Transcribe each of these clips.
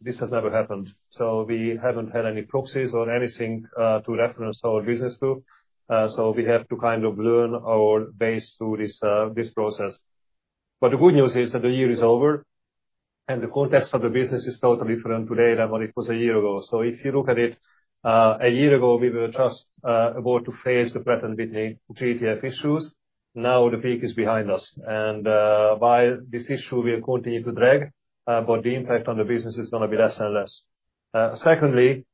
This has never happened. So we haven't had any proxies or anything to reference our business to. So we have to kind of learn our base through this process. But the good news is that the year is over, and the context of the business is totally different today than what it was a year ago. So if you look at it, a year ago, we were just about to face the peak with the GTF issues. Now the peak is behind us. And while this issue will continue to drag, but the impact on the business is going to be less and less. Secondly,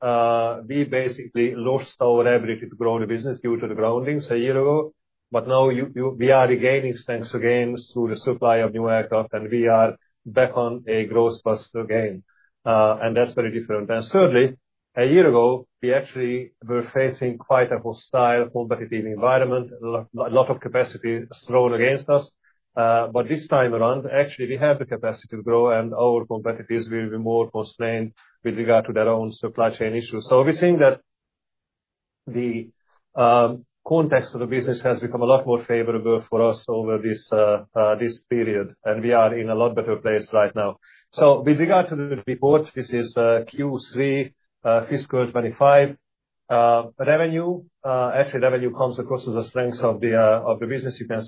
we basically lost our ability to grow the business due to the groundings a year ago. But now we are regaining strength again through the supply of new aircraft, and we are back on a growth bus again. And that's very different. Thirdly, a year ago, we actually were facing quite a hostile, competitive environment, a lot of capacity thrown against us. But this time around, actually, we have the capacity to grow, and our competitors will be more constrained with regard to their own supply chain issues. So we're seeing that the context of the business has become a lot more favorable for us over this period. And we are in a lot better place right now. So with regard to the report, this is Q3 fiscal 2025 revenue. Actually, revenue comes across as a strength of the business. You can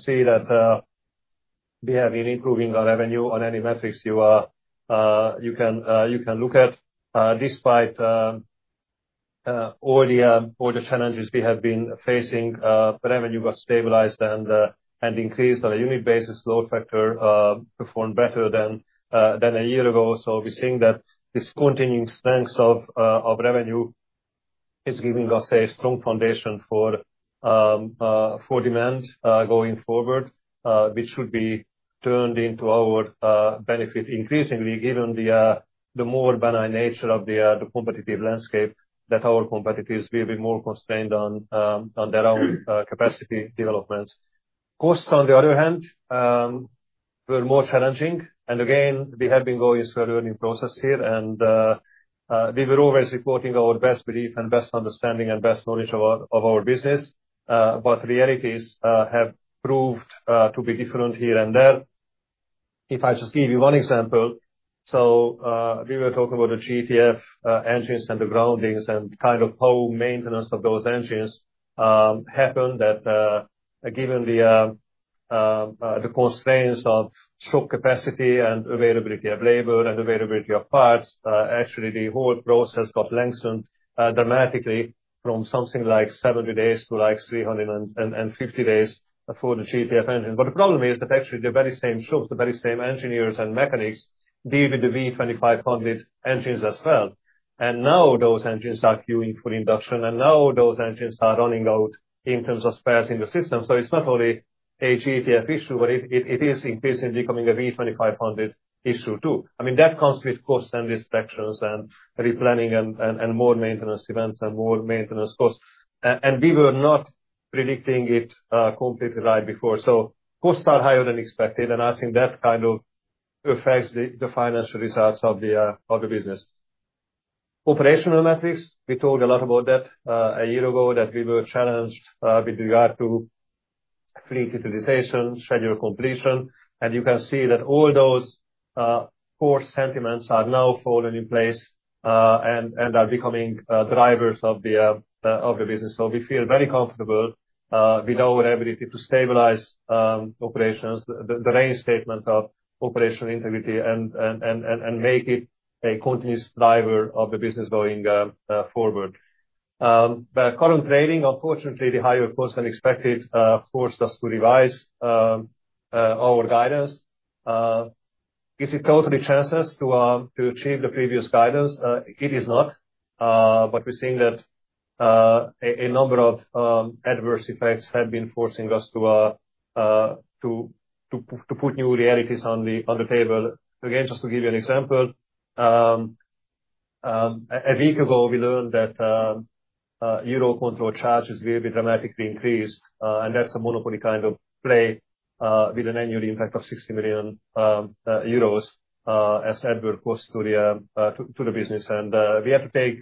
see that we have been improving our revenue on any metrics you can look at. Despite all the challenges we have been facing, revenue got stabilized and increased on a unit basis. Load factor performed better than a year ago. So we're seeing that this continuing strength of revenue is giving us a strong foundation for demand going forward, which should be turned into our benefit increasingly, given the more benign nature of the competitive landscape that our competitors will be more constrained on their own capacity developments. Costs, on the other hand, were more challenging. And again, we have been going through a learning process here. And we were always reporting our best belief and best understanding and best knowledge of our business. But realities have proved to be different here and there. If I just give you one example, so we were talking about the GTF engines and the groundings and kind of how maintenance of those engines happened, that given the constraints of shop capacity and availability of labor and availability of parts, actually the whole process got lengthened dramatically from something like 70 days to like 350 days for the GTF engine, but the problem is that actually the very same shops, the very same engineers and mechanics deal with the V2500 engines as well, and now those engines are queuing for induction, and now those engines are running out in terms of spares in the system, so it's not only a GTF issue, but it is increasingly becoming a V2500 issue too, I mean, that comes with cost and restrictions and replanning and more maintenance events and more maintenance costs, and we were not predicting it completely right before. Costs are higher than expected. And I think that kind of affects the financial results of the business. Operational metrics, we talked a lot about that a year ago that we were challenged with regard to fleet utilization, schedule completion. And you can see that all those core sentiments are now falling in place and are becoming drivers of the business. We feel very comfortable with our ability to stabilize operations, the reinstatement of operational integrity, and make it a continuous driver of the business going forward. But current trading, unfortunately, the higher cost than expected forced us to revise our guidance. Is it totally chanceless to achieve the previous guidance? It is not. But we're seeing that a number of adverse effects have been forcing us to put new realities on the table. Again, just to give you an example, a week ago, we learned that EUROCONTROL charges will be dramatically increased. And that's a monopoly kind of play with an annual impact of 60 million euros as adverse cost to the business. And we have to take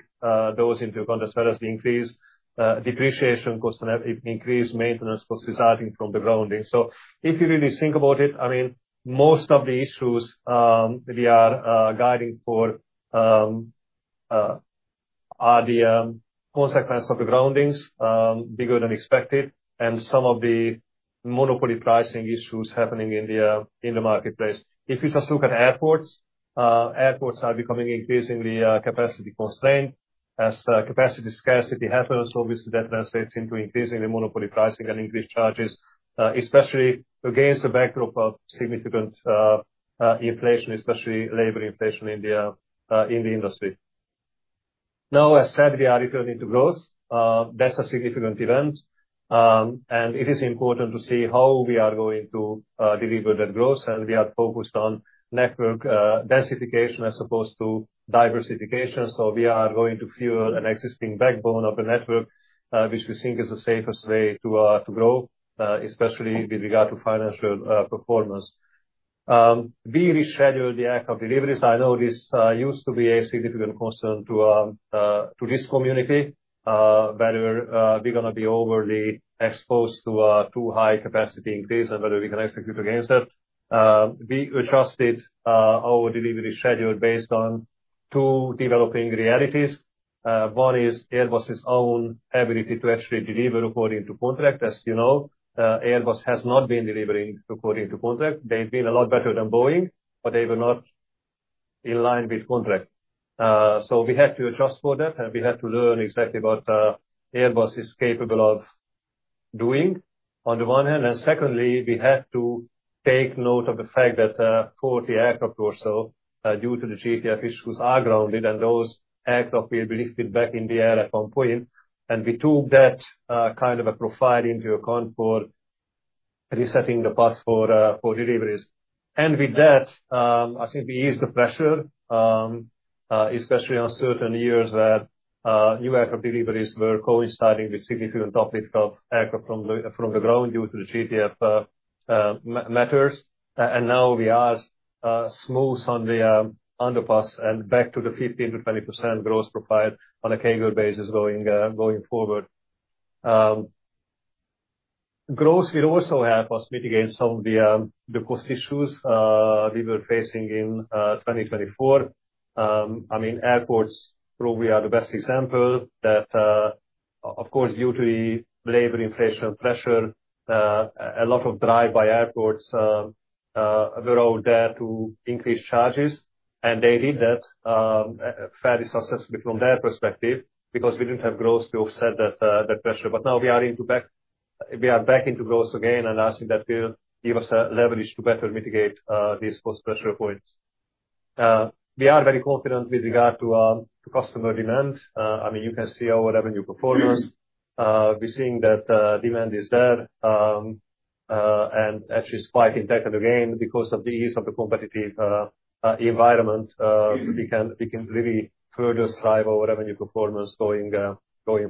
those into account as well as the increased depreciation cost and increased maintenance cost resulting from the grounding. So if you really think about it, I mean, most of the issues we are guiding for are the consequence of the groundings bigger than expected and some of the monopoly pricing issues happening in the marketplace. If you just look at airports, airports are becoming increasingly capacity constrained as capacity scarcity happens. Obviously, that translates into increasing the monopoly pricing and increased charges, especially against the backdrop of significant inflation, especially labor inflation in the industry. Now, as said, we are returning to growth. That's a significant event, and it is important to see how we are going to deliver that growth, and we are focused on network densification as opposed to diversification, so we are going to fuel an existing backbone of the network, which we think is the safest way to grow, especially with regard to financial performance. We rescheduled the aircraft deliveries. I know this used to be a significant concern to this community, whether we're going to be overly exposed to too high capacity increase and whether we can execute against it. We adjusted our delivery schedule based on two developing realities. One is Airbus's own ability to actually deliver according to contract. As you know, Airbus has not been delivering according to contract. They've been a lot better than Boeing, but they were not in line with contract, so we had to adjust for that. And we had to learn exactly what Airbus is capable of doing on the one hand. And secondly, we had to take note of the fact that 40 aircraft or so due to the GTF issues are grounded, and those aircraft will be lifted back in the air at one point. And we took that kind of a profile into account for resetting the path for deliveries. And with that, I think we eased the pressure, especially on certain years where new aircraft deliveries were coinciding with significant uplift of aircraft from the ground due to the GTF matters. And now we are smooth on the underpass and back to the 15%-20% growth profile on a CAGR basis going forward. Growth will also help us mitigate some of the cost issues we were facing in 2024. I mean, airports probably are the best example that, of course, due to the labor inflation pressure, a lot of drive-by airports were out there to increase charges. And they did that fairly successfully from their perspective because we didn't have growth to offset that pressure. But now we are back into growth again, and I think that will give us leverage to better mitigate these cost pressure points. We are very confident with regard to customer demand. I mean, you can see our revenue performance. We're seeing that demand is there and actually is quite intact again because of the ease of the competitive environment. We can really further drive our revenue performance going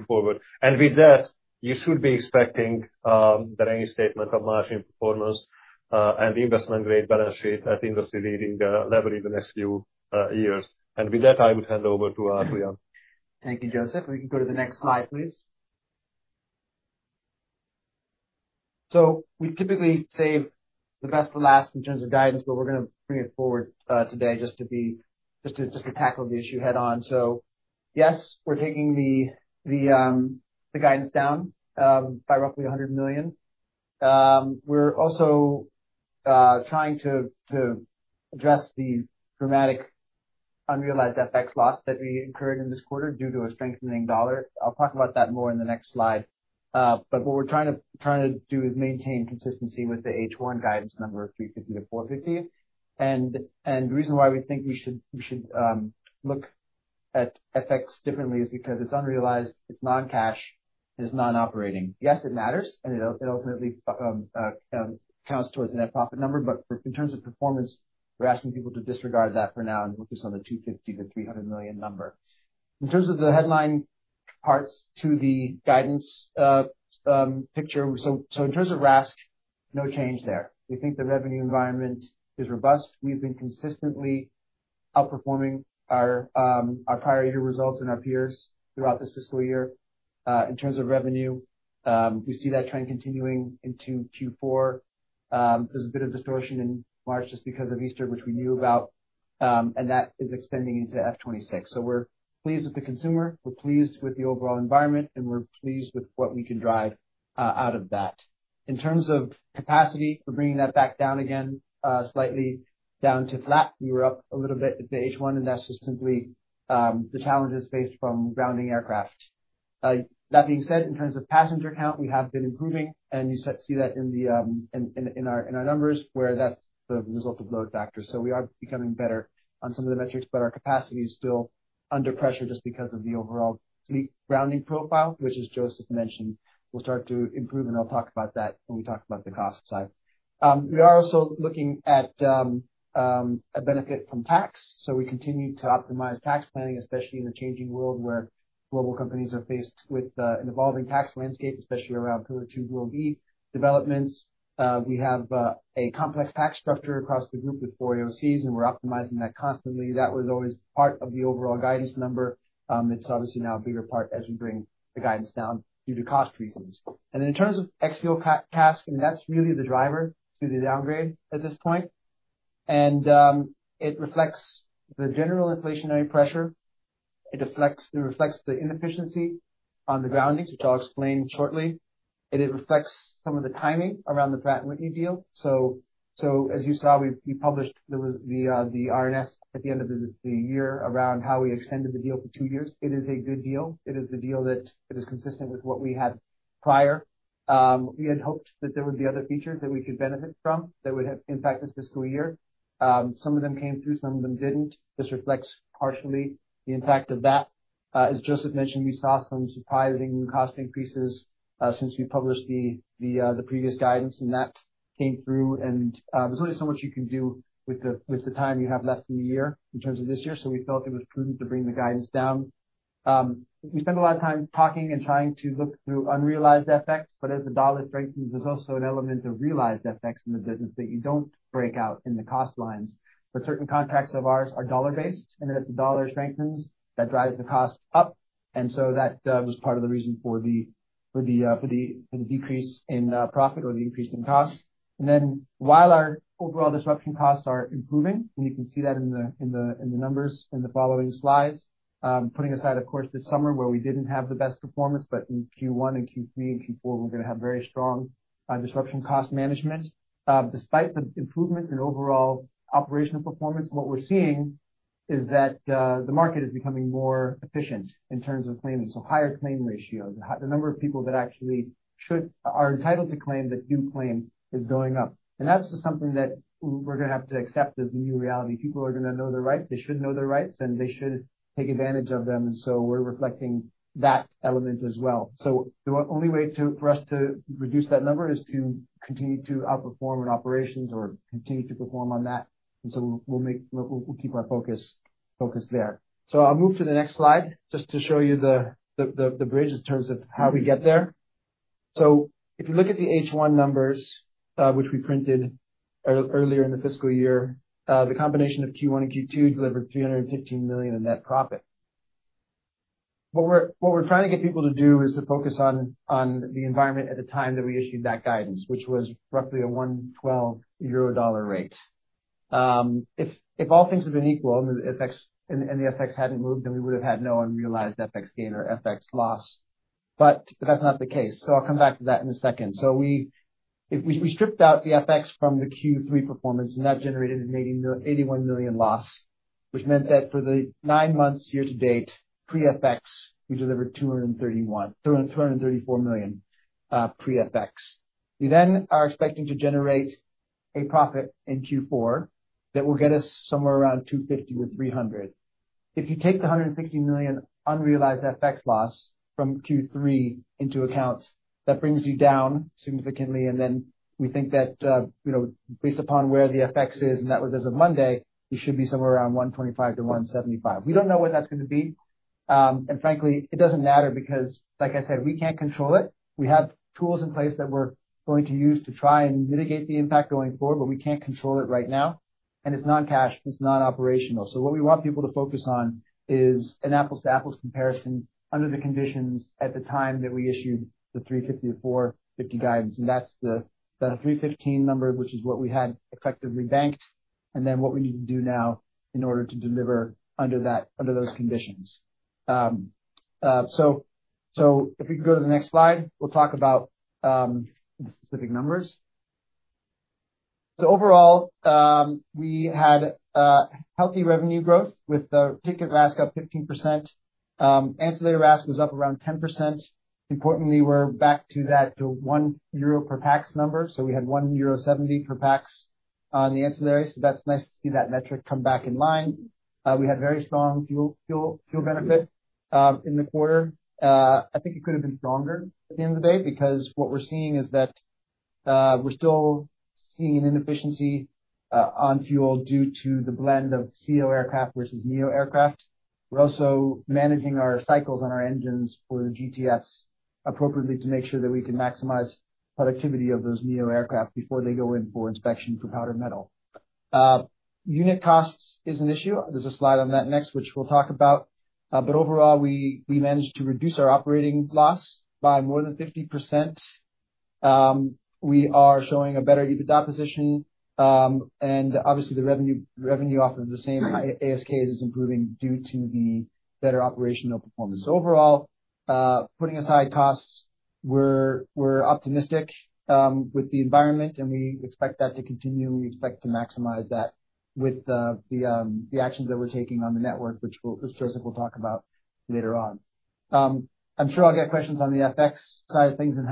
forward. And with that, you should be expecting the reinstatement of margin performance and the investment grade balance sheet at industry-leading level in the next few years. With that, I would hand over to Adrian. Thank you, József. We can go to the next slide, please. So we typically save the best for last in terms of guidance, but we're going to bring it forward today just to tackle the issue head-on. So yes, we're taking the guidance down by roughly 100 million. We're also trying to address the dramatic unrealized FX loss that we incurred in this quarter due to a strengthening dollar. I'll talk about that more in the next slide. But what we're trying to do is maintain consistency with the H1 guidance number of 350 million-450 million. And the reason why we think we should look at FX differently is because it's unrealized, it's non-cash, and it's non-operating. Yes, it matters, and it ultimately counts towards the net profit number. But in terms of performance, we're asking people to disregard that for now and focus on the 250 million-300 million number. In terms of the headline parts to the guidance picture, so in terms of RASK, no change there. We think the revenue environment is robust. We've been consistently outperforming our prior year results and our peers throughout this fiscal year. In terms of revenue, we see that trend continuing into Q4. There's a bit of distortion in March just because of Easter, which we knew about, and that is extending into F2026. So we're pleased with the consumer. We're pleased with the overall environment, and we're pleased with what we can drive out of that. In terms of capacity, we're bringing that back down again, slightly down to flat. We were up a little bit at the H1, and that's just simply the challenges faced from grounding aircraft. That being said, in terms of passenger count, we have been improving, and you see that in our numbers where that's the result of load factor. So we are becoming better on some of the metrics, but our capacity is still under pressure just because of the overall fleet grounding profile, which, as József mentioned, will start to improve. And I'll talk about that when we talk about the cost side. We are also looking at a benefit from tax. So we continue to optimize tax planning, especially in a changing world where global companies are faced with an evolving tax landscape, especially around Pillar 2 GloBE developments. We have a complex tax structure across the group with four AOCs, and we're optimizing that constantly. That was always part of the overall guidance number. It's obviously now a bigger part as we bring the guidance down due to cost reasons. And then in terms of ex-fuel CASK, I mean, that's really the driver to the downgrade at this point. And it reflects the general inflationary pressure. It reflects the inefficiency on the groundings, which I'll explain shortly. It reflects some of the timing around the Pratt & Whitney deal. So as you saw, we published the RNS at the end of the year around how we extended the deal for two years. It is a good deal. It is the deal that is consistent with what we had prior. We had hoped that there would be other features that we could benefit from that would impact this fiscal year. Some of them came through. Some of them didn't. This reflects partially the impact of that. As József mentioned, we saw some surprising cost increases since we published the previous guidance, and that came through, and there's only so much you can do with the time you have left in the year in terms of this year, so we felt it was prudent to bring the guidance down. We spent a lot of time talking and trying to look through unrealized FX, but as the dollar strengthens, there's also an element of realized FX in the business that you don't break out in the cost lines, but certain contracts of ours are dollar-based, and then as the dollar strengthens, that drives the cost up, and so that was part of the reason for the decrease in profit or the increase in cost. And then while our overall disruption costs are improving, and you can see that in the numbers in the following slides, putting aside, of course, this summer where we didn't have the best performance, but in Q1 and Q3 and Q4, we're going to have very strong disruption cost management. Despite the improvements in overall operational performance, what we're seeing is that the market is becoming more efficient in terms of claims. So higher claim ratios. The number of people that actually are entitled to claim that do claim is going up. And that's just something that we're going to have to accept as the new reality. People are going to know their rights. They should know their rights, and they should take advantage of them. And so we're reflecting that element as well. So the only way for us to reduce that number is to continue to outperform in operations or continue to perform on that. And so we'll keep our focus there. So I'll move to the next slide just to show you the bridge in terms of how we get there. So if you look at the H1 numbers, which we printed earlier in the fiscal year, the combination of Q1 and Q2 delivered 315 million in net profit. What we're trying to get people to do is to focus on the environment at the time that we issued that guidance, which was roughly a 1.12 Euro-Dollar rate. If all things have been equal and the FX hadn't moved, then we would have had no unrealized FX gain or FX loss. But that's not the case. So I'll come back to that in a second. We stripped out the FX from the Q3 performance, and that generated an 81 million loss, which meant that for the nine months year-to-date pre-FX, we delivered 234 million pre-FX. We then are expecting to generate a profit in Q4 that will get us somewhere around 250 million-300 million. If you take the 150 million unrealized FX loss from Q3 into account, that brings you down significantly. And then we think that based upon where the FX is, and that was as of Monday, we should be somewhere around 125 million-175 million. We don't know when that's going to be. And frankly, it doesn't matter because, like I said, we can't control it. We have tools in place that we're going to use to try and mitigate the impact going forward, but we can't control it right now. And it's non-cash. It's non-operational. So what we want people to focus on is an apples-to-apples comparison under the conditions at the time that we issued the 350 million-450 million guidance. And that's the 315 million number, which is what we had effectively banked, and then what we need to do now in order to deliver under those conditions. So if we can go to the next slide, we'll talk about the specific numbers. So overall, we had healthy revenue growth with the ticket RASK up 15%. Ancillary RASK was up around 10%. Importantly, we're back to that 1 euro per pax number. So we had 1.70 euro per pax on the ancillary. So that's nice to see that metric come back in line. We had very strong fuel benefit in the quarter. I think it could have been stronger at the end of the day because what we're seeing is that we're still seeing an inefficiency on fuel due to the blend of ceo aircraft versus NEO aircraft. We're also managing our cycles on our engines for the GTFs appropriately to make sure that we can maximize productivity of those NEO aircraft before they go in for inspection for powdered metal. Unit costs is an issue. There's a slide on that next, which we'll talk about. But overall, we managed to reduce our operating loss by more than 50%. We are showing a better EBITDA position. And obviously, the revenue off of the same ASKs is improving due to the better operational performance. So overall, putting aside costs, we're optimistic with the environment, and we expect that to continue. We expect to maximize that with the actions that we're taking on the network, which József will talk about later on. I'm sure I'll get questions on the FX side of things and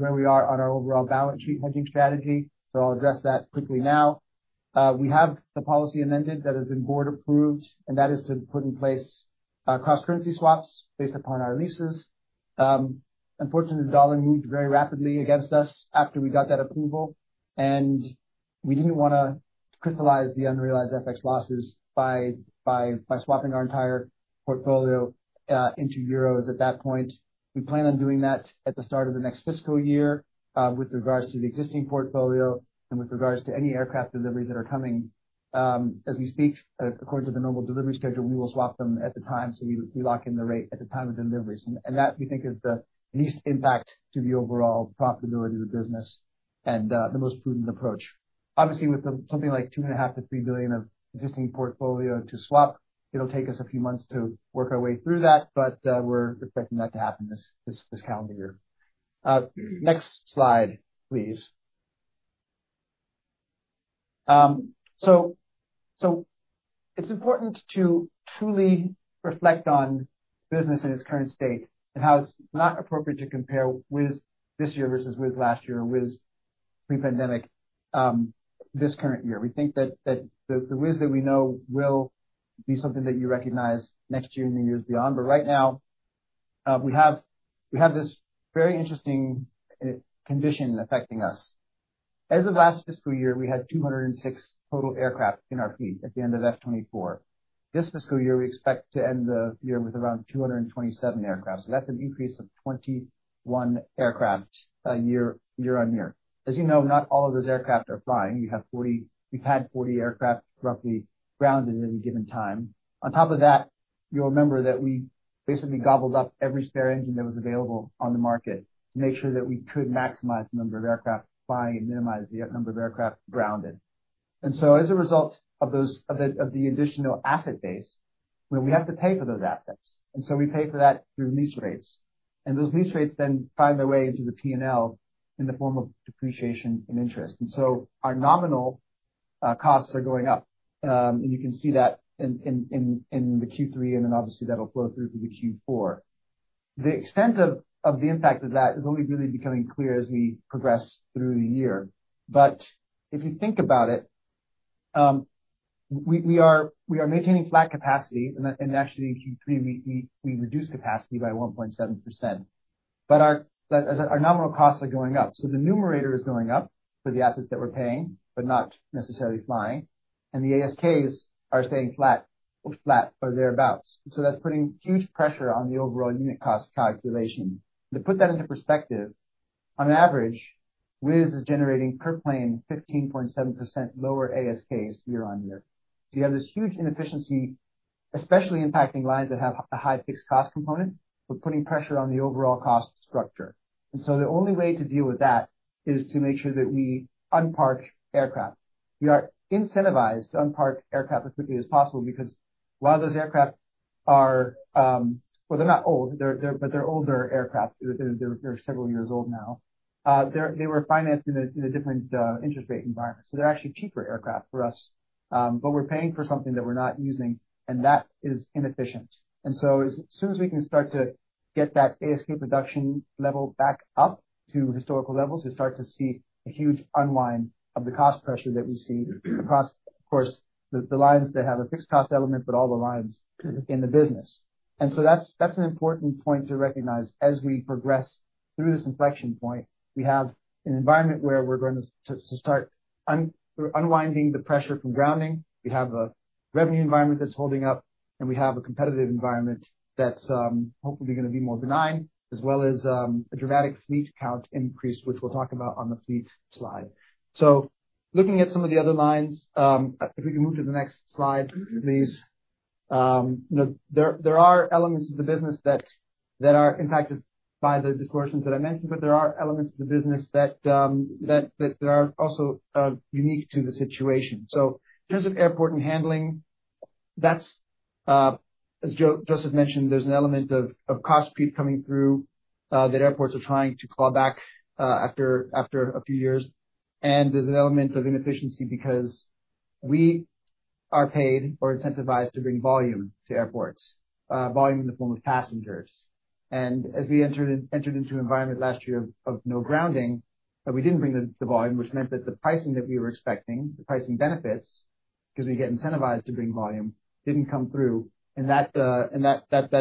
where we are on our overall balance sheet hedging strategy. So I'll address that quickly now. We have the policy amended that has been board-approved, and that is to put in place cross-currency swaps based upon our leases. Unfortunately, the dollar moved very rapidly against us after we got that approval, and we didn't want to crystallize the unrealized FX losses by swapping our entire portfolio into euros at that point. We plan on doing that at the start of the next fiscal year with regards to the existing portfolio and with regards to any aircraft deliveries that are coming. As we speak, according to the normal delivery schedule, we will swap them at the time. So we lock in the rate at the time of deliveries. And that, we think, is the least impact to the overall profitability of the business and the most prudent approach. Obviously, with something like 2.5 billion-3 billion of existing portfolio to swap, it'll take us a few months to work our way through that, but we're expecting that to happen this calendar year. Next slide, please. So it's important to truly reflect on business in its current state and how it's not appropriate to compare Wizz this year versus Wizz last year or Wizz pre-pandemic this current year. We think that the Wizz that we know will be something that you recognize next year and the years beyond. But right now, we have this very interesting condition affecting us. As of last fiscal year, we had 206 total aircraft in our fleet at the end of F2024. This fiscal year, we expect to end the year with around 227 aircraft. So that's an increase of 21 aircraft year-on-year. As you know, not all of those aircraft are flying. We've had 40 aircraft roughly grounded at a given time. On top of that, you'll remember that we basically gobbled up every spare engine that was available on the market to make sure that we could maximize the number of aircraft flying and minimize the number of aircraft grounded. And so as a result of the additional asset base, we have to pay for those assets. And so we pay for that through lease rates. And those lease rates then find their way into the P&L in the form of depreciation and interest. And so our nominal costs are going up. You can see that in the Q3, and then obviously, that'll flow through to the Q4. The extent of the impact of that is only really becoming clear as we progress through the year. If you think about it, we are maintaining flat capacity. Actually, in Q3, we reduced capacity by 1.7%. Our nominal costs are going up. The numerator is going up for the assets that we're paying, but not necessarily flying. The ASKs are staying flat or thereabouts. That's putting huge pressure on the overall unit cost calculation. To put that into perspective, on average, WIZ is generating per plane 15.7% lower ASKs year-on-year. You have this huge inefficiency, especially impacting lines that have a high fixed cost component, but putting pressure on the overall cost structure. And so the only way to deal with that is to make sure that we unpark aircraft. We are incentivized to unpark aircraft as quickly as possible because while those aircraft are, well, they're not old, but they're older aircraft. They're several years old now. They were financed in a different interest rate environment. So they're actually cheaper aircraft for us, but we're paying for something that we're not using, and that is inefficient. And so as soon as we can start to get that ASK production level back up to historical levels, we start to see a huge unwind of the cost pressure that we see across, of course, the lines that have a fixed cost element, but all the lines in the business. And so that's an important point to recognize as we progress through this inflection point. We have an environment where we're going to start unwinding the pressure from grounding. We have a revenue environment that's holding up, and we have a competitive environment that's hopefully going to be more benign, as well as a dramatic fleet count increase, which we'll talk about on the fleet slide, so looking at some of the other lines, if we can move to the next slide, please. There are elements of the business that are impacted by the distortions that I mentioned, but there are elements of the business that are also unique to the situation, so in terms of airport and handling, as József mentioned, there's an element of cost creep coming through that airports are trying to claw back after a few years, and there's an element of inefficiency because we are paid or incentivized to bring volume to airports, volume in the form of passengers. As we entered into an environment last year of no grounding, we didn't bring the volume, which meant that the pricing that we were expecting, the pricing benefits, because we get incentivized to bring volume, didn't come through. And that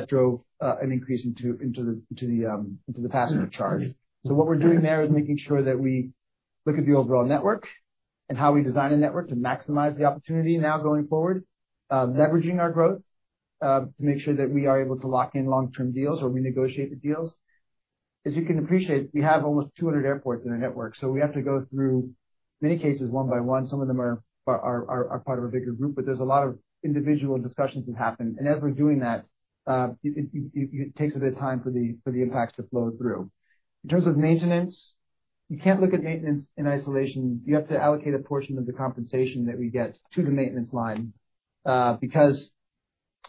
drove an increase into the passenger charge. So what we're doing there is making sure that we look at the overall network and how we design a network to maximize the opportunity now going forward, leveraging our growth to make sure that we are able to lock in long-term deals or renegotiate the deals. As you can appreciate, we have almost 200 airports in our network. So we have to go through, in many cases, one by one. Some of them are part of a bigger group, but there's a lot of individual discussions that happen. And as we're doing that, it takes a bit of time for the impacts to flow through. In terms of maintenance, you can't look at maintenance in isolation. You have to allocate a portion of the compensation that we get to the maintenance line because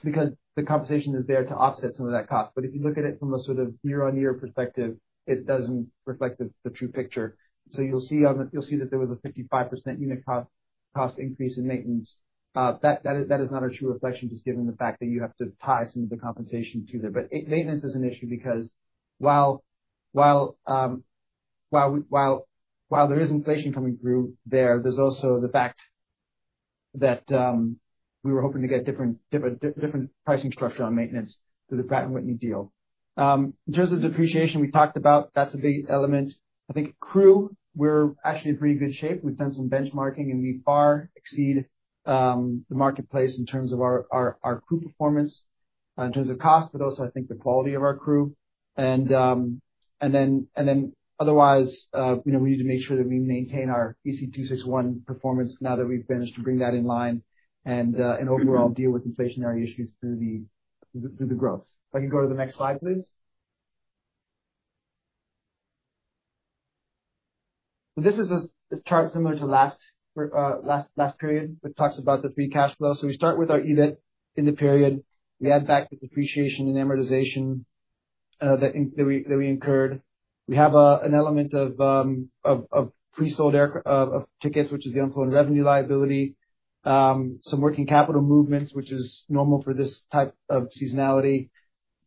the compensation is there to offset some of that cost. But if you look at it from a sort of year-on-year perspective, it doesn't reflect the true picture. So you'll see that there was a 55% unit cost increase in maintenance. That is not a true reflection, just given the fact that you have to tie some of the compensation to there. But maintenance is an issue because while there is inflation coming through there, there's also the fact that we were hoping to get different pricing structure on maintenance through the Pratt & Whitney deal. In terms of depreciation, we talked about, that's a big element. I think crew, we're actually in pretty good shape. We've done some benchmarking, and we far exceed the marketplace in terms of our crew performance, in terms of cost, but also, I think, the quality of our crew. And then otherwise, we need to make sure that we maintain our EC261 performance now that we've managed to bring that in line and overall deal with inflationary issues through the growth. If I can go to the next slide, please. So this is a chart similar to last period, which talks about the free cash flow. So we start with our EBIT in the period. We add back the depreciation and amortization that we incurred. We have an element of pre-sold tickets, which is the unflown revenue liability, some working capital movements, which is normal for this type of seasonality.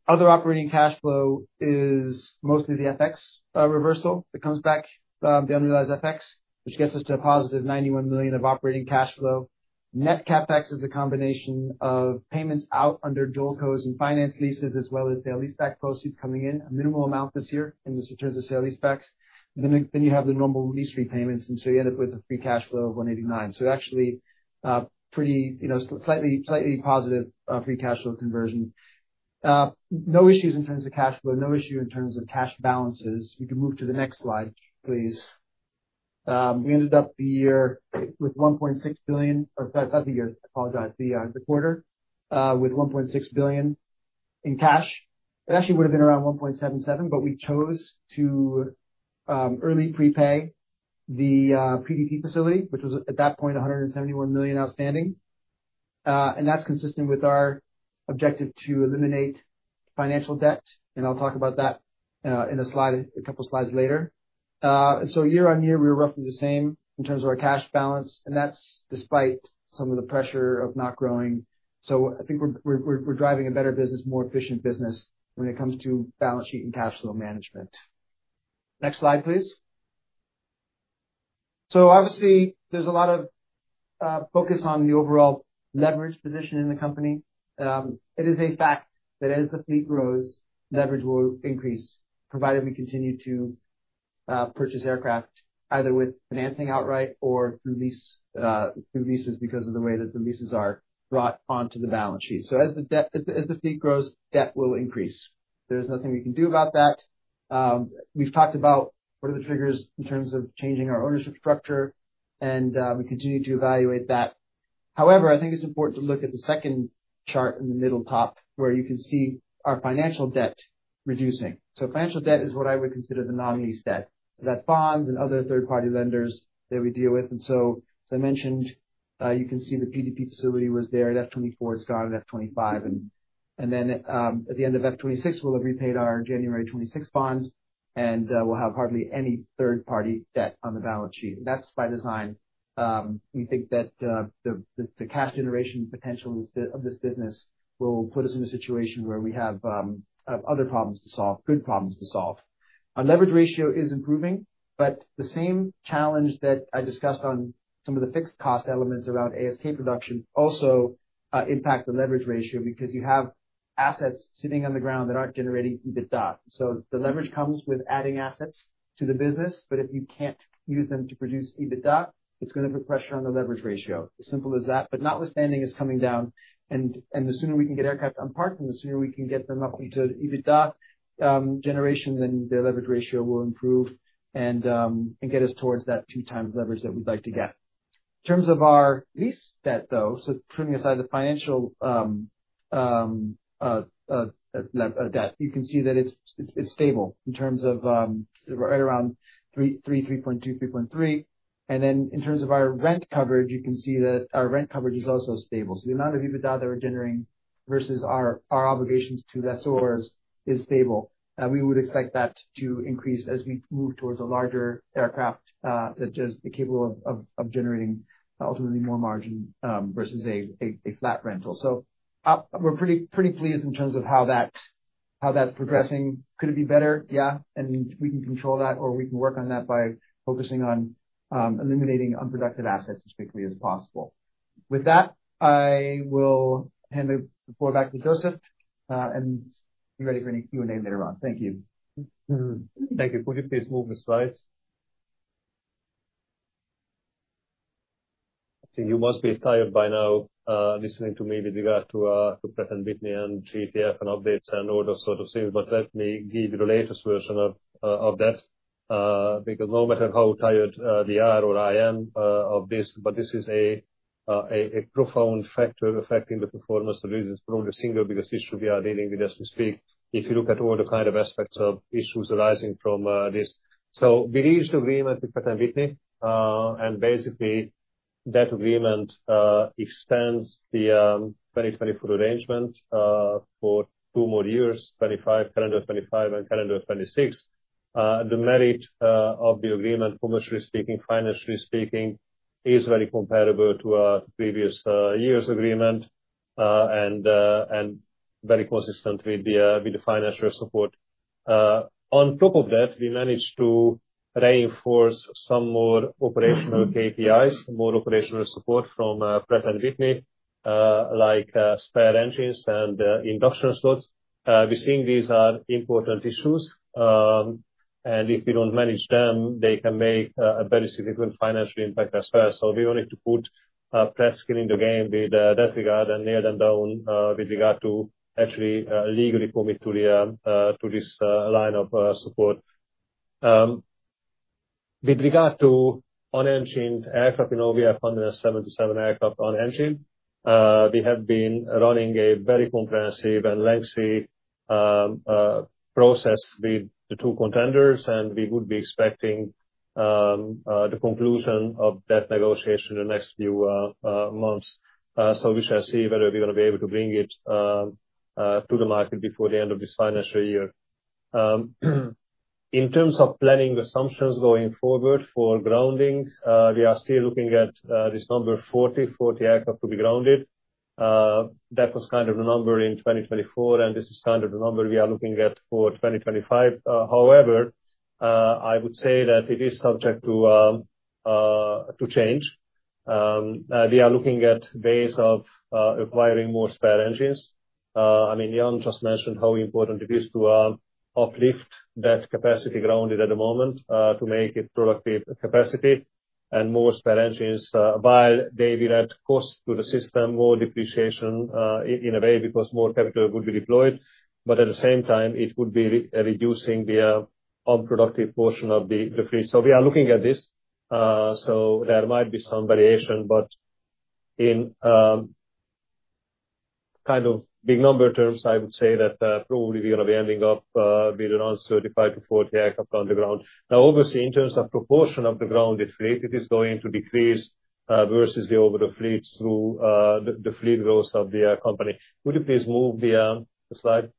Other operating cash flow is mostly the FX reversal. It comes back, the unrealized FX, which gets us to a positive 91 million of operating cash flow. Net CapEx is the combination of payments out under JOLCOs and finance leases, as well as sale and leaseback proceeds coming in, a minimal amount this year in terms of sale and leaseback. Then you have the normal lease repayments, and so you end up with a free cash flow of 189 million. So actually, slightly positive free cash flow conversion. No issues in terms of cash flow. No issue in terms of cash balances. We can move to the next slide, please. We ended up the year with 1.6 billion—or sorry, not the year. I apologize. The quarter with 1.6 billion in cash. It actually would have been around 1.77 billion, but we chose to early prepay the PDP facility, which was at that point 171 million outstanding, and that's consistent with our objective to eliminate financial debt, and I'll talk about that in a couple of slides later, and so year-on-year, we were roughly the same in terms of our cash balance, and that's despite some of the pressure of not growing, so I think we're driving a better business, more efficient business when it comes to balance sheet and cash flow management. Next slide, please, so obviously, there's a lot of focus on the overall leverage position in the company. It is a fact that as the fleet grows, leverage will increase, provided we continue to purchase aircraft either with financing outright or through leases because of the way that the leases are brought onto the balance sheet. As the fleet grows, debt will increase. There is nothing we can do about that. We've talked about what are the triggers in terms of changing our ownership structure, and we continue to evaluate that. However, I think it's important to look at the second chart in the middle top where you can see our financial debt reducing. Financial debt is what I would consider the non-lease debt. That's bonds and other third-party lenders that we deal with. And so, as I mentioned, you can see the PDP facility was there at F2024. It's gone at F2025. And then at the end of F2026, we'll have repaid our January 2026 bond, and we'll have hardly any third-party debt on the balance sheet. And that's by design. We think that the cash generation potential of this business will put us in a situation where we have other problems to solve, good problems to solve. Our leverage ratio is improving, but the same challenge that I discussed on some of the fixed cost elements around ASK production also impacts the leverage ratio because you have assets sitting on the ground that aren't generating EBITDA. So the leverage comes with adding assets to the business, but if you can't use them to produce EBITDA, it's going to put pressure on the leverage ratio. As simple as that. But notwithstanding, it's coming down. And the sooner we can get aircraft unparked and the sooner we can get them up into EBITDA generation, then the leverage ratio will improve and get us towards that two-times leverage that we'd like to get. In terms of our lease debt, though, so turning aside the financial debt, you can see that it's stable in terms of right around 3x, 3.2x, 3.3x, and then in terms of our rent coverage, you can see that our rent coverage is also stable, so the amount of EBITDA that we're generating versus our obligations to lessors is stable. We would expect that to increase as we move towards a larger aircraft that is capable of generating ultimately more margin versus a flat rental, so we're pretty pleased in terms of how that's progressing. Could it be better? Yeah, and we can control that, or we can work on that by focusing on eliminating unproductive assets as quickly as possible. With that, I will hand the floor back to József and be ready for any Q&A later on. Thank you. Thank you. Could you please move the slides? I think you must be tired by now listening to me with regard to Pratt & Whitney and GTF and updates and all those sort of things. But let me give you the latest version of that because no matter how tired we are or I am of this, but this is a profound factor affecting the performance of business. Probably the single biggest issue we are dealing with as we speak, if you look at all the kind of aspects of issues arising from this. So we reached agreement with Pratt & Whitney, and basically, that agreement extends the 2024 arrangement for two more years, calendar 2025 and calendar 2026. The merit of the agreement, commercially speaking, financially speaking, is very comparable to our previous year's agreement and very consistent with the financial support. On top of that, we managed to reinforce some more operational KPIs, more operational support from Pratt & Whitney, like spare engines and induction slots. We're seeing these are important issues, and if we don't manage them, they can make a very significant financial impact as well. So we wanted to put Pratt's skin in the game in that regard and nail them down with regard to actually legally commit to this line of support. With regard to unengined aircraft, we have 177 aircraft unengined. We have been running a very comprehensive and lengthy process with the two contenders, and we would be expecting the conclusion of that negotiation in the next few months. So we shall see whether we're going to be able to bring it to the market before the end of this financial year. In terms of planning assumptions going forward for grounding, we are still looking at this number 40 for the aircraft to be grounded. That was kind of the number in 2024, and this is kind of the number we are looking at for 2025. However, I would say that it is subject to change. We are looking at ways of acquiring more spare engines. I mean, Ian just mentioned how important it is to uplift that capacity grounded at the moment to make it productive capacity and more spare engines, while they will add cost to the system, more depreciation in a way because more capital would be deployed. But at the same time, it would be reducing the unproductive portion of the fleet. So we are looking at this. So there might be some variation, but in kind of big number terms, I would say that probably we're going to be ending up with around 35-40 aircraft grounded. Now, obviously, in terms of proportion of the grounded fleet, it is going to decrease versus the overall fleet through the fleet growth of the company. Could you please move the slide?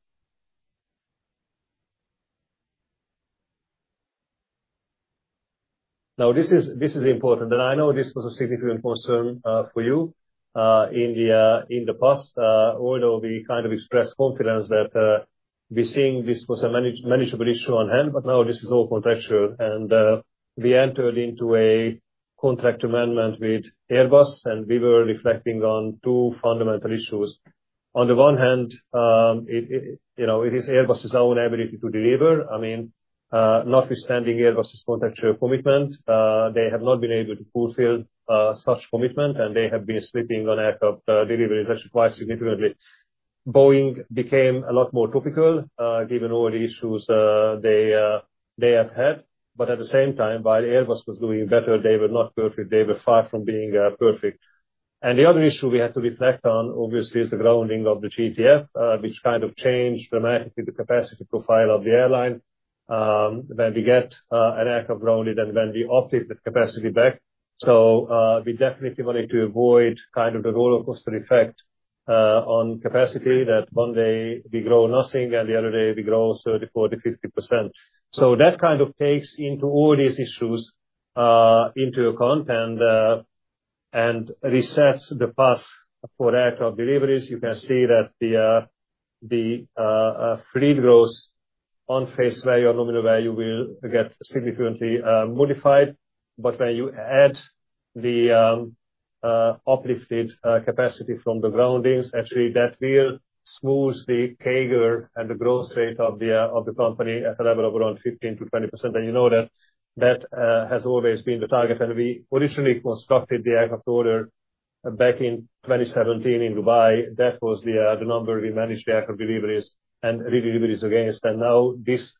Now, this is important. And I know this was a significant concern for you in the past, although we kind of expressed confidence that we're seeing this was a manageable issue on hand. But now this is all contractual. And we entered into a contract amendment with Airbus, and we were reflecting on two fundamental issues. On the one hand, it is Airbus's own ability to deliver. I mean, notwithstanding Airbus's contractual commitment, they have not been able to fulfill such commitment, and they have been slipping on aircraft deliveries actually quite significantly. Boeing became a lot more topical given all the issues they have had. But at the same time, while Airbus was doing better, they were not perfect. They were far from being perfect. And the other issue we had to reflect on, obviously, is the grounding of the GTF, which kind of changed dramatically the capacity profile of the airline. When we get an aircraft grounded and when we opted the capacity back, so we definitely wanted to avoid kind of the roller coaster effect on capacity that one day we grow nothing and the other day we grow 30%, 40%, 50%. So that kind of takes into all these issues into account and resets the path for aircraft deliveries. You can see that the fleet growth on face value or nominal value will get significantly modified. But when you add the uplifted capacity from the groundings, actually that will smooth the CAGR and the growth rate of the company at a level of around 15%-20%. And you know that that has always been the target. And we originally constructed the aircraft order back in 2017 in Dubai. That was the number we managed the aircraft deliveries and redeliveries against. And now this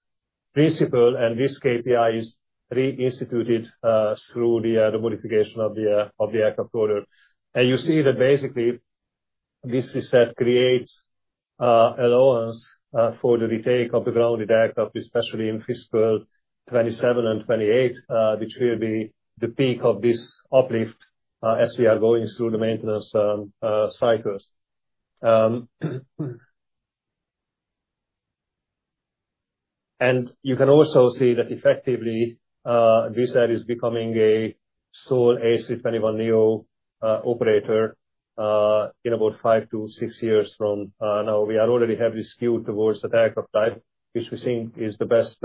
principle and this KPI is reinstituted through the modification of the aircraft order. And you see that basically this reset creates allowance for the retake of the grounded aircraft, especially in fiscal 2027 and 2028, which will be the peak of this uplift as we are going through the maintenance cycles. You can also see that effectively Wizz Air is becoming a sole A321neo operator in about five to six years from now. We already have this skew towards the type, which we think is the best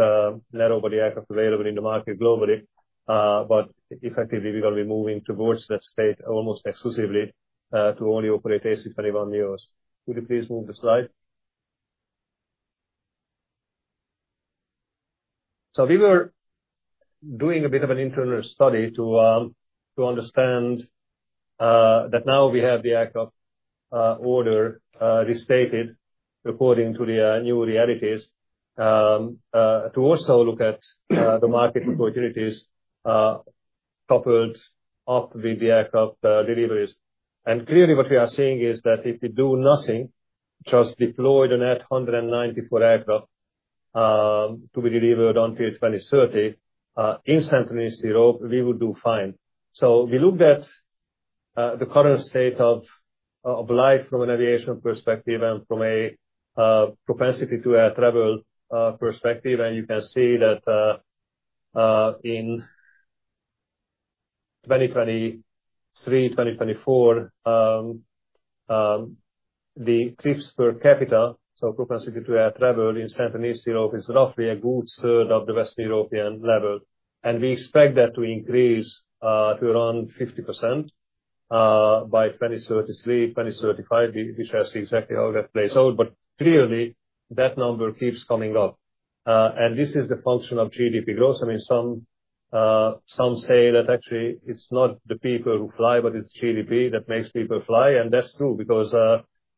narrow-body aircraft available in the market globally. But effectively, we're going to be moving towards that state almost exclusively to only operate A321neos. Could you please move the slide? We were doing a bit of an internal study to understand that now we have the aircraft order restated according to the new realities to also look at the market opportunities coupled up with the aircraft deliveries. Clearly, what we are seeing is that if we do nothing, just deploy the net 194 aircraft to be delivered until 2030 in Central and Eastern Europe, we will do fine. We looked at the current state of life from an aviation perspective and from a propensity to air travel perspective. And you can see that in 2023, 2024, the trips per capita, so propensity to air travel in Central and Eastern Europe is roughly a good third of the Western Europe level. And we expect that to increase to around 50% by 2033, 2035, which I see exactly how that plays out. But clearly, that number keeps coming up. And this is the function of GDP growth. I mean, some say that actually it's not the people who fly, but it's GDP that makes people fly. And that's true because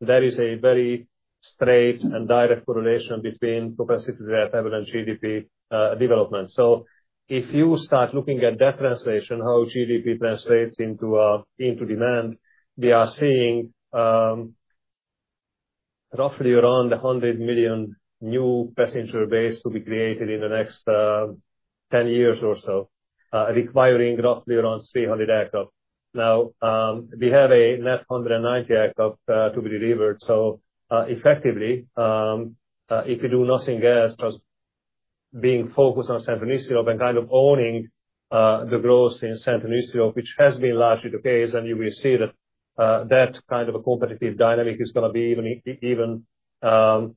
there is a very straight and direct correlation between propensity to air travel and GDP development. So if you start looking at that translation, how GDP translates into demand, we are seeing roughly around 100 million new passenger base to be created in the next 10 years or so, requiring roughly around 300 aircraft. Now, we have a net 190 aircraft to be delivered. So effectively, if you do nothing else, just being focused on Central and Eastern Europe and kind of owning the growth in Central and Eastern Europe, which has been largely the case, and you will see that that kind of a competitive dynamic is going to be even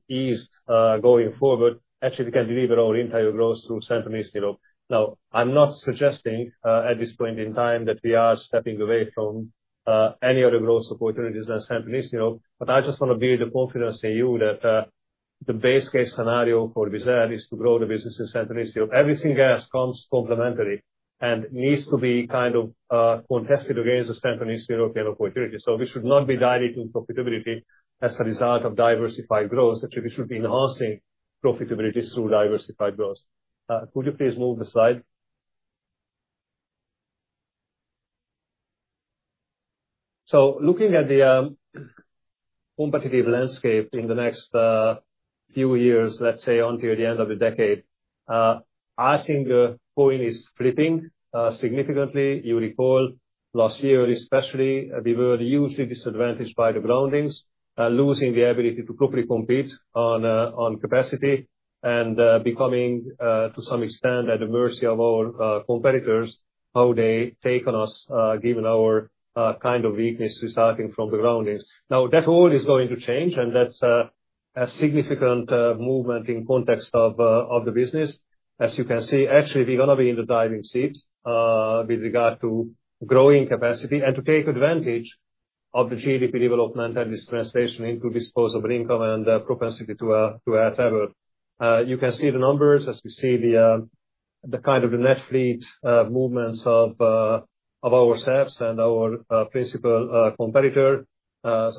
eased going forward. Actually, we can deliver our entire growth through Central and Eastern Europe. Now, I'm not suggesting at this point in time that we are stepping away from any other growth opportunities than Central and Eastern Europe, but I just want to build the confidence in you that the base case scenario for Wizz Air is to grow the business in Central and Eastern Europe. Everything else comes complementary and needs to be kind of contested against the Central and Eastern European opportunity. So we should not be diluting profitability as a result of diversified growth. Actually, we should be enhancing profitability through diversified growth. Could you please move the slide? So looking at the competitive landscape in the next few years, let's say until the end of the decade, I think Boeing is flipping significantly. You recall last year, especially, we were hugely disadvantaged by the groundings, losing the ability to properly compete on capacity and becoming, to some extent, at the mercy of our competitors, how they take on us given our kind of weakness resulting from the groundings. Now, that all is going to change, and that's a significant movement in context of the business. As you can see, actually, we're going to be in the driving seat with regard to growing capacity and to take advantage of the GDP development and this translation into disposable income and propensity to air travel. You can see the numbers as we see the kind of the net fleet movements of ourselves and our principal competitor.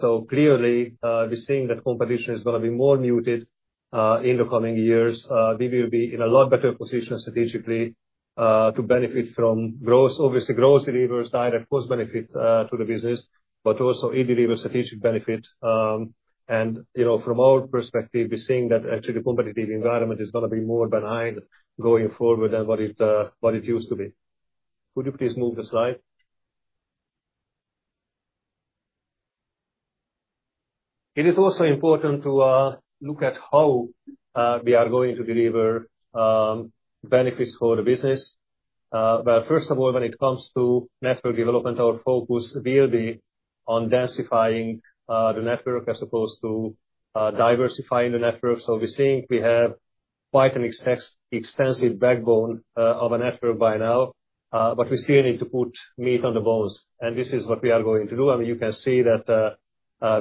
So clearly, we're seeing that competition is going to be more muted in the coming years. We will be in a lot better position strategically to benefit from growth. Obviously, growth delivers direct cost benefit to the business, but also it delivers strategic benefit. From our perspective, we're seeing that actually the competitive environment is going to be more benign going forward than what it used to be. Could you please move the slide? It is also important to look at how we are going to deliver benefits for the business. First of all, when it comes to network development, our focus will be on densifying the network as opposed to diversifying the network. We think we have quite an extensive backbone of a network by now, but we still need to put meat on the bones. This is what we are going to do. I mean, you can see that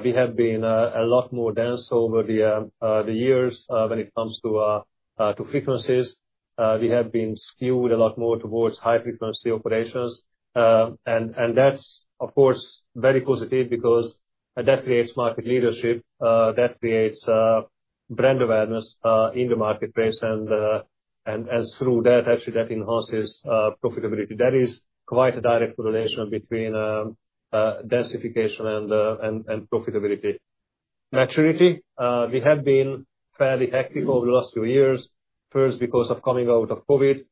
we have been a lot more dense over the years when it comes to frequencies. We have been skewed a lot more towards high-frequency operations. And that's, of course, very positive because that creates market leadership. That creates brand awareness in the marketplace. And through that, actually, that enhances profitability. That is quite a direct correlation between densification and profitability. Maturity. We have been fairly hectic over the last few years, first because of coming out of COVID,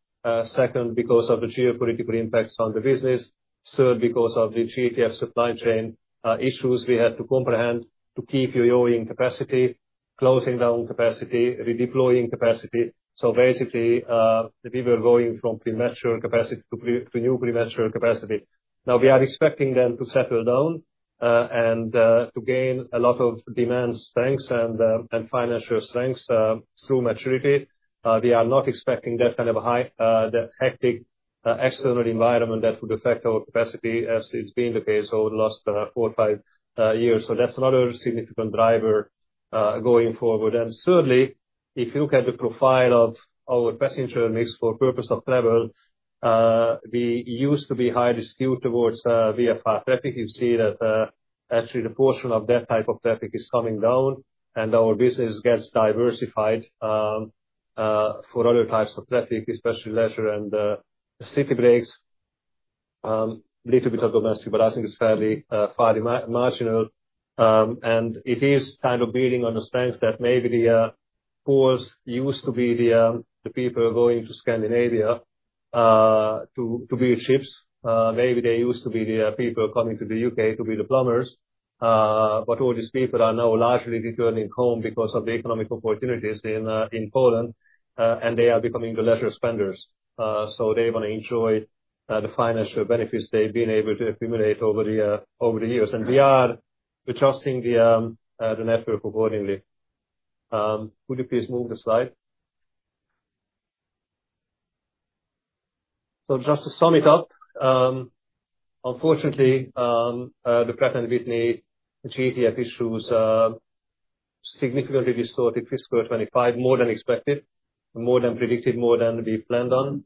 second because of the geopolitical impacts on the business, third because of the GTF supply chain issues we had to contend with to keep our flying capacity, closing down capacity, redeploying capacity. So basically, we were going from immature capacity to new immature capacity. Now, we are expecting them to settle down and to gain a lot of demand strengths and financial strengths through maturity. We are not expecting that kind of hectic external environment that would affect our capacity as it's been the case over the last four or five years, so that's another significant driver going forward, and thirdly, if you look at the profile of our passenger mix for purpose of travel, we used to be highly skewed towards VFR traffic. You see that actually the portion of that type of traffic is coming down, and our business gets diversified for other types of traffic, especially leisure and city breaks, a little bit of domestic, but I think it's fairly far marginal, and it is kind of building on the strengths that maybe the Poles used to be the people going to Scandinavia to build ships. Maybe they used to be the people coming to the U.K. to be the plumbers. But all these people are now largely returning home because of the economic opportunities in Poland, and they are becoming the leisure spenders. So they want to enjoy the financial benefits they've been able to accumulate over the years. And we are adjusting the network accordingly. Could you please move the slide? So just to sum it up, unfortunately, the Pratt & Whitney GTF issues significantly distorted fiscal 2025, more than expected, more than predicted, more than we planned on.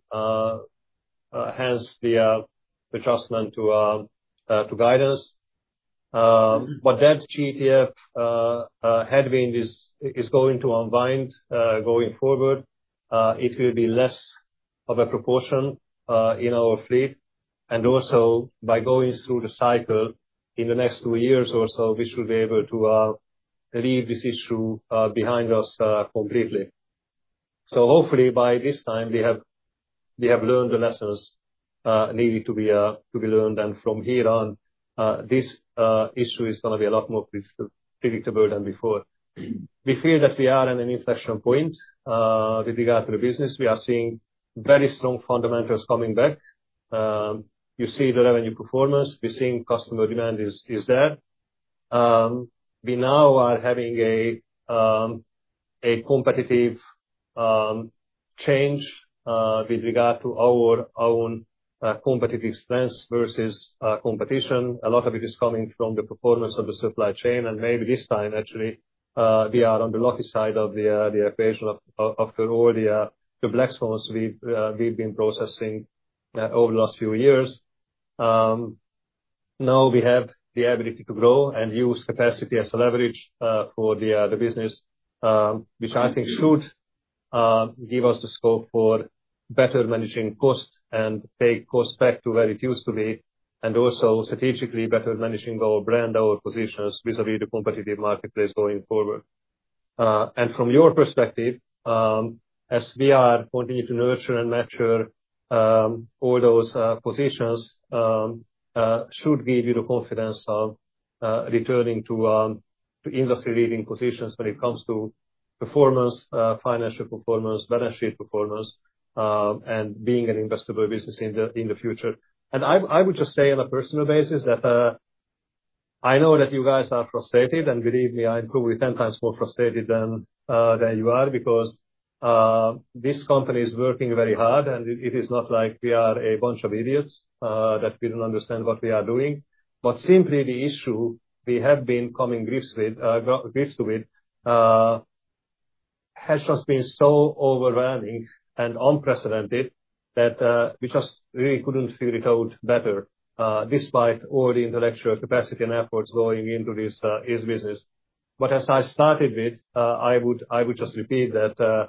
Hence the adjustment to guidance. But that GTF headwind is going to unwind going forward. It will be less of a proportion in our fleet. And also, by going through the cycle in the next two years or so, we should be able to leave this issue behind us completely. So hopefully, by this time, we have learned the lessons needed to be learned. From here on, this issue is going to be a lot more predictable than before. We feel that we are at an inflection point with regard to the business. We are seeing very strong fundamentals coming back. You see the revenue performance. We're seeing customer demand is there. We now are having a competitive change with regard to our own competitive strengths versus competition. A lot of it is coming from the performance of the supply chain. And maybe this time, actually, we are on the lucky side of the equation after all the black swans we've been processing over the last few years. Now we have the ability to grow and use capacity as leverage for the business, which I think should give us the scope for better managing costs and take costs back to where it used to be, and also strategically better managing our brand, our positions vis-à-vis the competitive marketplace going forward. And from your perspective, as we are continuing to nurture all those positions, should give you the confidence of returning to industry-leading positions when it comes to performance, financial performance, balance sheet performance, and being an investable business in the future. And I would just say on a personal basis that I know that you guys are frustrated, and believe me, I'm probably 10x more frustrated than you are because this company is working very hard, and it is not like we are a bunch of idiots that we don't understand what we are doing. But simply the issue we have been coming to grips with has just been so overwhelming and unprecedented that we just really couldn't figure it out better despite all the intellectual capacity and efforts going into this business. But as I started with, I would just repeat that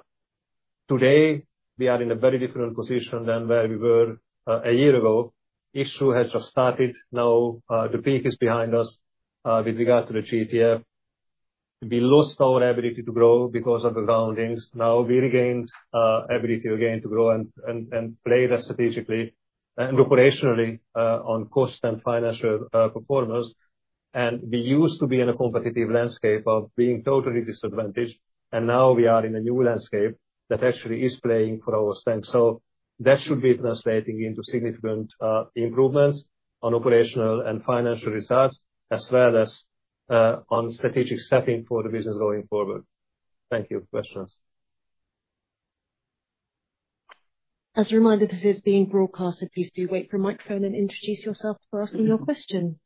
today we are in a very different position than where we were a year ago. The issue has just started. Now the peak is behind us with regard to the GTF. We lost our ability to grow because of the groundings. Now we regained ability again to grow and play strategically and operationally on cost and financial performance. And we used to be in a competitive landscape of being totally disadvantaged. And now we are in a new landscape that actually is playing for our strength. So that should be translating into significant improvements on operational and financial results as well as on strategic setting for the business going forward. Thank you. Questions? As a reminder, this is being broadcast. Please do wait for a microphone and introduce yourself for asking your question.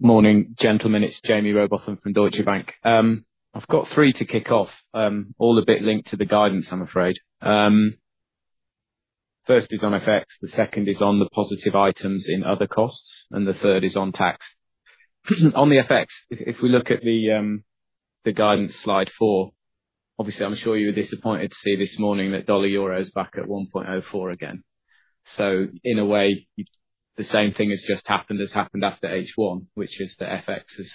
Morning, gentlemen. It's Jaime Rowbotham from Deutsche Bank. I've got three to kick off, all a bit linked to the guidance, I'm afraid. First is on FX. The second is on the positive items in other costs. And the third is on tax. On the FX, if we look at the guidance slide four, obviously, I'm sure you were disappointed to see this morning that Dollar-Euro is back at 1.04 again. So in a way, the same thing has just happened as happened after H1, which is the FX has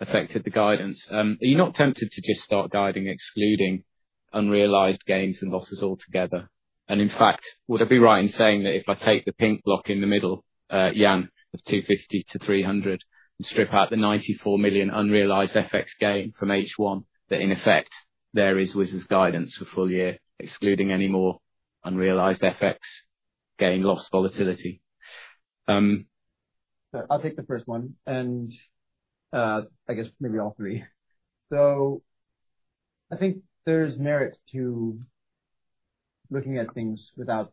affected the guidance. Are you not tempted to just start guiding excluding unrealized gains and losses altogether? In fact, would I be right in saying that if I take the pink block in the middle, Ian, of 250 million-300 million, and strip out the 94 million unrealized FX gain from H1, that in effect, there is Wizz's guidance for full year, excluding any more unrealized FX gain, loss, volatility? I'll take the first one. I guess maybe all three. I think there's merit to looking at things without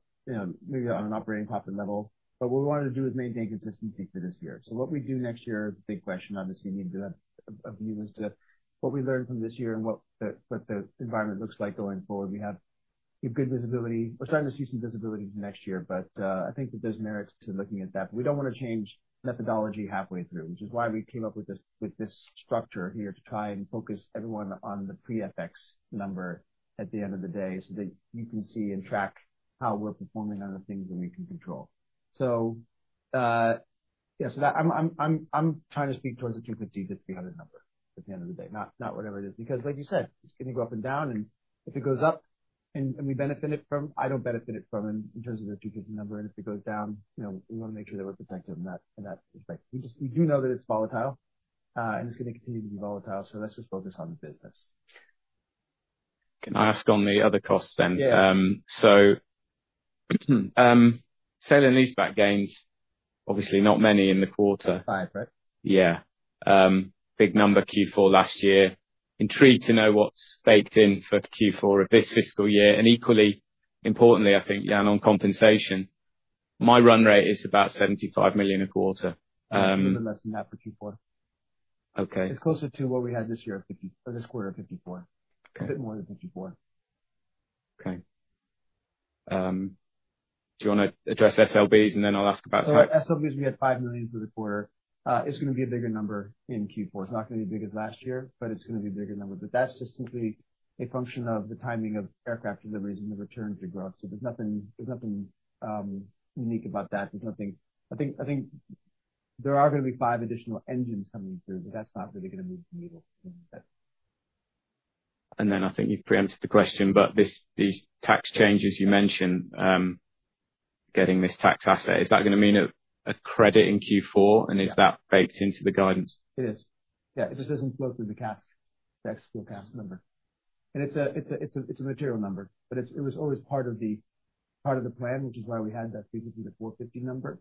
maybe on an operating profit level. What we wanted to do is maintain consistency for this year. What we do next year is a big question. Obviously, you need to have a view as to what we learn from this year and what the environment looks like going forward. We have good visibility. We're starting to see some visibility for next year, but I think that there's merit to looking at that, but we don't want to change methodology halfway through, which is why we came up with this structure here to try and focus everyone on the pre-effects number at the end of the day so that you can see and track how we're performing on the things that we can control, so yeah, so I'm trying to speak towards the 250 million-300 million number at the end of the day, not whatever it is. Because like you said, it's going to go up and down, and if it goes up and we benefit it from, I don't benefit it from in terms of the EUR 250 million number. And if it goes down, we want to make sure that we're protected in that respect. We do know that it's volatile, and it's going to continue to be volatile. So let's just focus on the business. Can I ask on the other costs then? So sale and leaseback gains, obviously not many in the quarter. 5 million, right? Yeah. Big number Q4 last year. Intrigued to know what's baked in for Q4 of this fiscal year. And equally importantly, I think, Ian, on compensation, my run rate is about 75 million a quarter. It's a bit less than that for Q4. It's closer to what we had this year of this quarter of 54 million, a bit more than 54 million. Okay. Do you want to address SLBs, and then I'll ask about tax? So SLBs, we had 5 million for the quarter. It's going to be a bigger number in Q4. It's not going to be as big as last year, but it's going to be a bigger number. But that's just simply a function of the timing of aircraft deliveries and the return to growth. So there's nothing unique about that. I think there are going to be five additional engines coming through, but that's not really going to move the needle. And then I think you've preempted the question, but these tax changes you mentioned, getting this tax asset, is that going to mean a credit in Q4? And is that baked into the guidance? It is. Yeah. It just doesn't flow through the CASK, the ex-fuel CASK number. And it's a material number, but it was always part of the plan, which is why we had that 350 million-450 million number.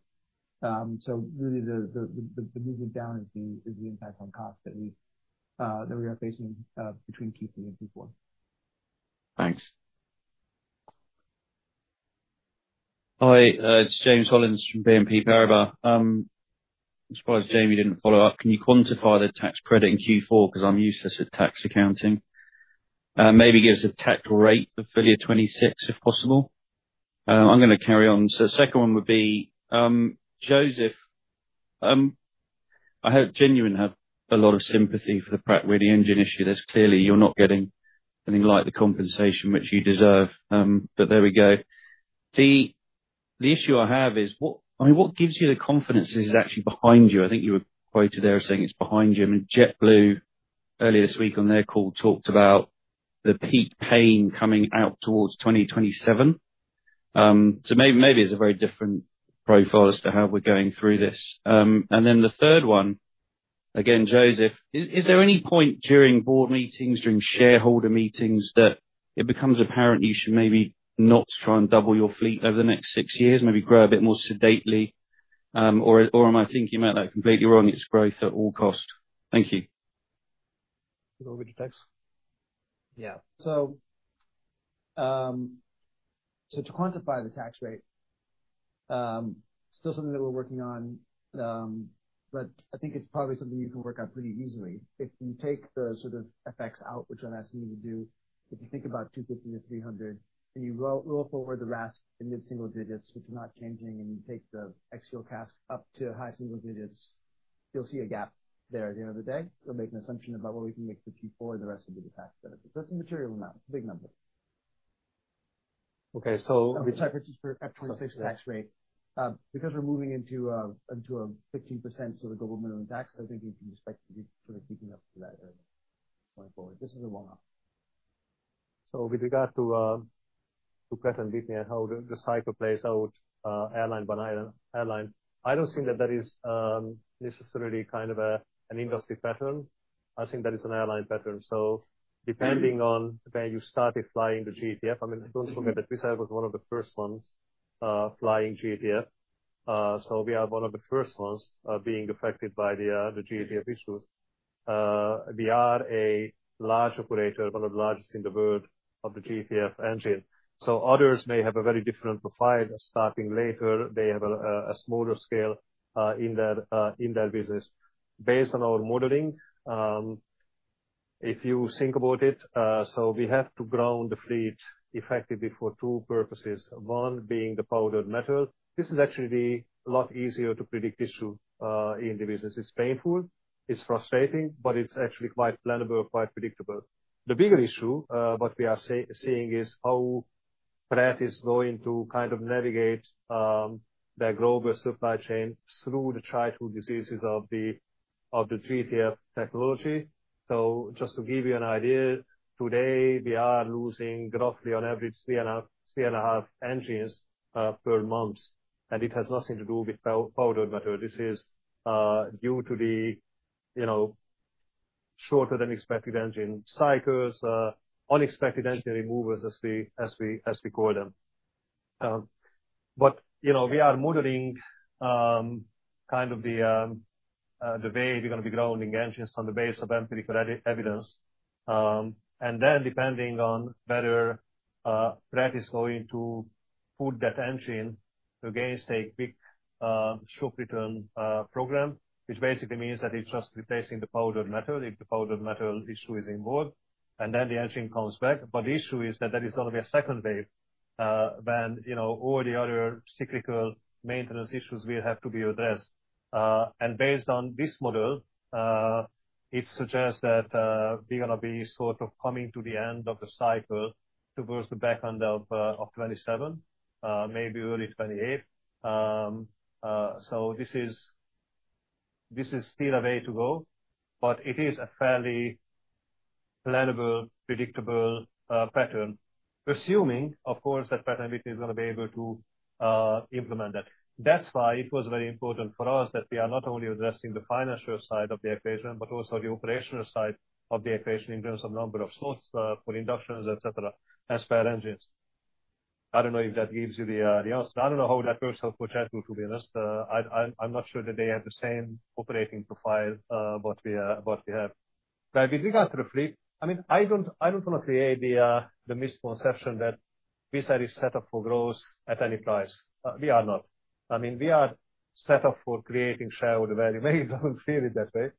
So really, the movement down is the impact on cost that we are facing between Q3 and Q4. Thanks. Hi. It's James Hollins from BNP Paribas. As Jamie didn't follow up, can you quantify the tax credit in Q4? Because I'm used to tax accounting. Maybe give us a tax rate for FY 2026, if possible. I'm going to carry on. So the second one would be József. I hope József had a lot of sympathy for the Pratt & Whitney engine issue. Clearly, you're not getting anything like the compensation, which you deserve. But there we go. The issue I have is, I mean, what gives you the confidence this is actually behind you? I think you were quoted there as saying it's behind you. I mean, JetBlue, earlier this week on their call, talked about the peak pain coming out towards 2027. So maybe it's a very different profile as to how we're going through this. And then the third one, again, József, is there any point during board meetings, during shareholder meetings, that it becomes apparent you should maybe not try and double your fleet over the next six years, maybe grow a bit more sedately? Or am I thinking about that completely wrong? It's growth at all costs. Thank you. Go over to tax. Yeah. So to quantify the tax rate, still something that we're working on, but I think it's probably something you can work out pretty easily. If you take the sort of effects out, which I'm asking you to do, if you think about 250 million-300 million, and you roll forward the RASK in mid-single digits, which are not changing, and you take the ex-fuel CASK up to high-single digits, you'll see a gap there at the end of the day. You'll make an assumption about what we can make for Q4 and the rest of the tax benefits. That's a material amount. It's a big number. Okay. So. We're guiding for FY 2026 tax rate. Because we're moving into a 15% sort of global minimum tax, I think you can expect to be sort of keeping up with that area going forward. This is a one-off. So with regard to Pratt & Whitney and how the cycle plays out, airline by airline, I don't think that that is necessarily kind of an industry pattern. I think that it's an airline pattern. So depending on when you started flying the GTF, I mean, don't forget that we were one of the first ones flying GTF. So we are one of the first ones being affected by the GTF issues. We are a large operator, one of the largest in the world of the GTF engine. So others may have a very different profile. Starting later, they have a smaller scale in that business. Based on our modeling, if you think about it, so we have to ground the fleet effectively for two purposes. One being the powdered metal. This is actually a lot easier to predict issue in the business. It's painful. It's frustrating, but it's actually quite plannable, quite predictable. The bigger issue that we are seeing is how Pratt is going to kind of navigate their global supply chain through the childhood diseases of the GTF technology. So just to give you an idea, today, we are losing roughly on average 3.5 engines per month, and it has nothing to do with powdered metal. This is due to the shorter-than-expected engine cycles, unexpected engine removals, as we call them. But we are modeling kind of the way we're going to be grounding engines on the basis of empirical evidence, and then, depending on whether Pratt is going to put that engine against a big shock return program, which basically means that it's just replacing the powdered metal if the powdered metal issue is involved, and then the engine comes back. But the issue is that there is going to be a second wave when all the other cyclical maintenance issues will have to be addressed. And based on this model, it suggests that we're going to be sort of coming to the end of the cycle towards the back end of 2027, maybe early 2028. So this is still a way to go, but it is a fairly plannable, predictable pattern, assuming, of course, that Pratt & Whitney is going to be able to implement that. That's why it was very important for us that we are not only addressing the financial side of the equation, but also the operational side of the equation in terms of number of slots for inductions, etc., as per engines. I don't know if that gives you the answer. I don't know how that works out for JetBlue, to be honest. I'm not sure that they have the same operating profile that we have. But with regard to the fleet, I mean, I don't want to create the misconception that we are set up for growth at any price. We are not. I mean, we are set up for creating shareholder value. Maybe it doesn't feel that way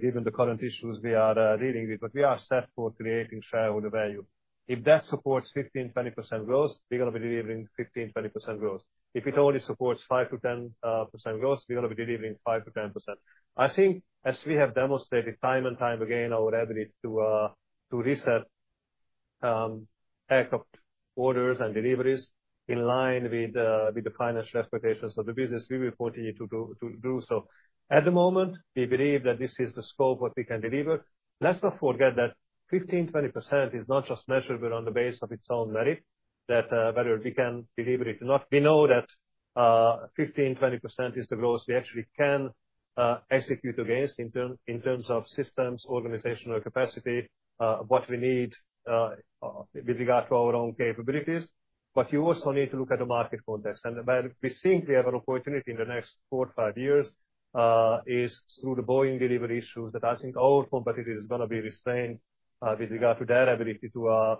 given the current issues we are dealing with, but we are set for creating shareholder value. If that supports 15%-20% growth, we're going to be delivering 15%-20% growth. If it only supports 5%-10% growth, we're going to be delivering 5%-10%. I think, as we have demonstrated time and time again, our ability to reset orders and deliveries in line with the financial expectations of the business, we will continue to do so. At the moment, we believe that this is the scope of what we can deliver. Let's not forget that 15%-20% is not just measurable on the basis of its own merit, that we can deliver it. We know that 15%-20% is the growth we actually can execute against in terms of systems, organizational capacity, what we need with regard to our own capabilities. But you also need to look at the market context. And where we think we have an opportunity in the next four, five years is through the Boeing delivery issues that I think our competitor is going to be restrained with regard to their ability to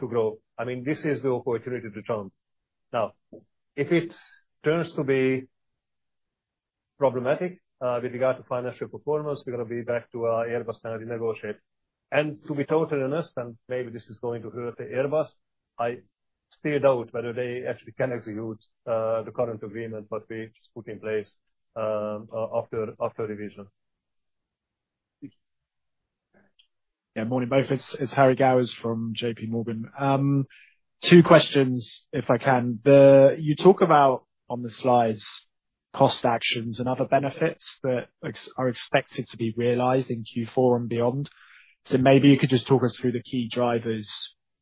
grow. I mean, this is the opportunity to jump. Now, if it turns to be problematic with regard to financial performance, we're going to be back to Airbus and renegotiate. And to be totally honest, and maybe this is going to hurt Airbus, I still doubt whether they actually can execute the current agreement that we just put in place after revision. Yeah. Morning, both. It's Harry Gowers from JPMorgan. Two questions, if I can. You talk about on the slides, cost actions and other benefits that are expected to be realized in Q4 and beyond. So maybe you could just talk us through the key drivers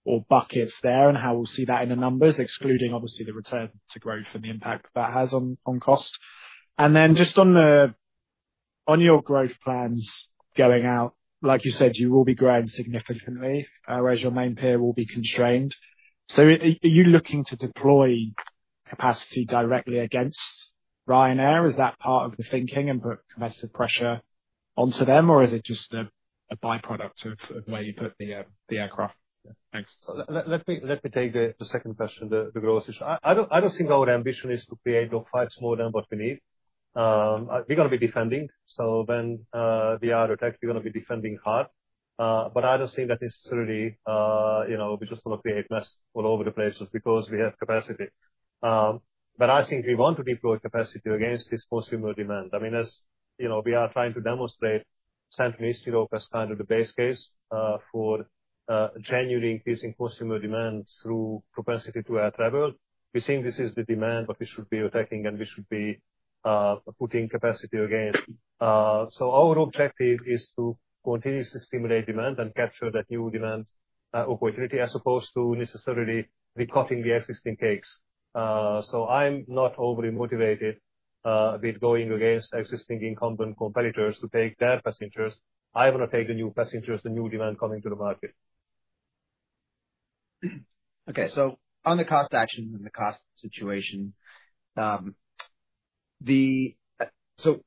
or buckets there and how we'll see that in the numbers, excluding, obviously, the return to growth and the impact that has on cost. And then just on your growth plans going out, like you said, you will be growing significantly, whereas your main peer will be constrained. So are you looking to deploy capacity directly against Ryanair? Is that part of the thinking and put competitive pressure onto them, or is it just a byproduct of where you put the aircraft? Thanks. Let me take the second question, the growth issue. I don't think our ambition is to create five smaller than what we need. We're going to be defending. So when we are attacked, we're going to be defending hard. But I don't think that necessarily we're just going to create mess all over the places because we have capacity. But I think we want to deploy capacity against this consumer demand. I mean, as we are trying to demonstrate Central and Eastern Europe as kind of the base case for genuinely increasing consumer demand through propensity to air travel. We think this is the demand that we should be attacking, and we should be putting capacity against. Our objective is to continue to stimulate demand and capture that new demand opportunity as opposed to necessarily recutting the existing cakes. So I'm not overly motivated with going against existing incumbent competitors to take their passengers. I want to take the new passengers, the new demand coming to the market. Okay. So on the cost actions and the cost situation, so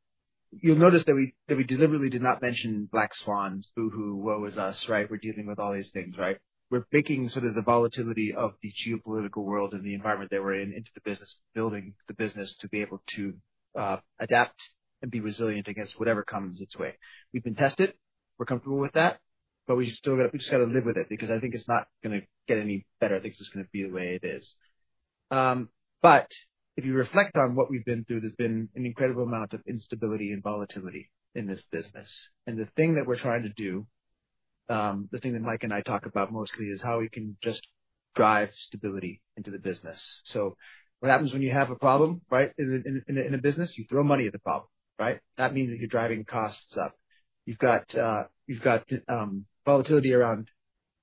you'll notice that we deliberately did not mention Black Swans, Boohoo, Woe is Us, right? We're dealing with all these things, right? We're baking sort of the volatility of the geopolitical world and the environment that we're in into the business, building the business to be able to adapt and be resilient against whatever comes its way. We've been tested. We're comfortable with that. But we just got to live with it because I think it's not going to get any better. I think it's just going to be the way it is. But if you reflect on what we've been through, there's been an incredible amount of instability and volatility in this business. And the thing that we're trying to do, the thing that Mike and I talk about mostly, is how we can just drive stability into the business. So what happens when you have a problem, right, in a business? You throw money at the problem, right? That means that you're driving costs up. You've got volatility around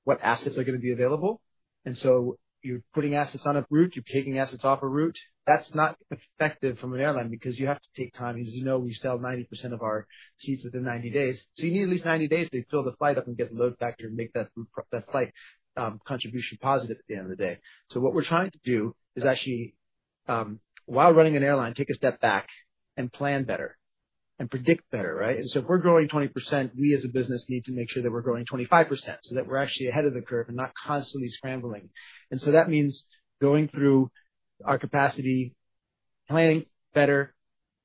what assets are going to be available. And so you're putting assets on a route. You're taking assets off a route. That's not effective from an airline because you have to take time. As you know, we sell 90% of our seats within 90 days. So you need at least 90 days to fill the flight up and get the load factor and make that flight contribution positive at the end of the day. So what we're trying to do is actually, while running an airline, take a step back and plan better and predict better, right? And so if we're growing 20%, we as a business need to make sure that we're growing 25% so that we're actually ahead of the curve and not constantly scrambling. And so that means going through our capacity planning better,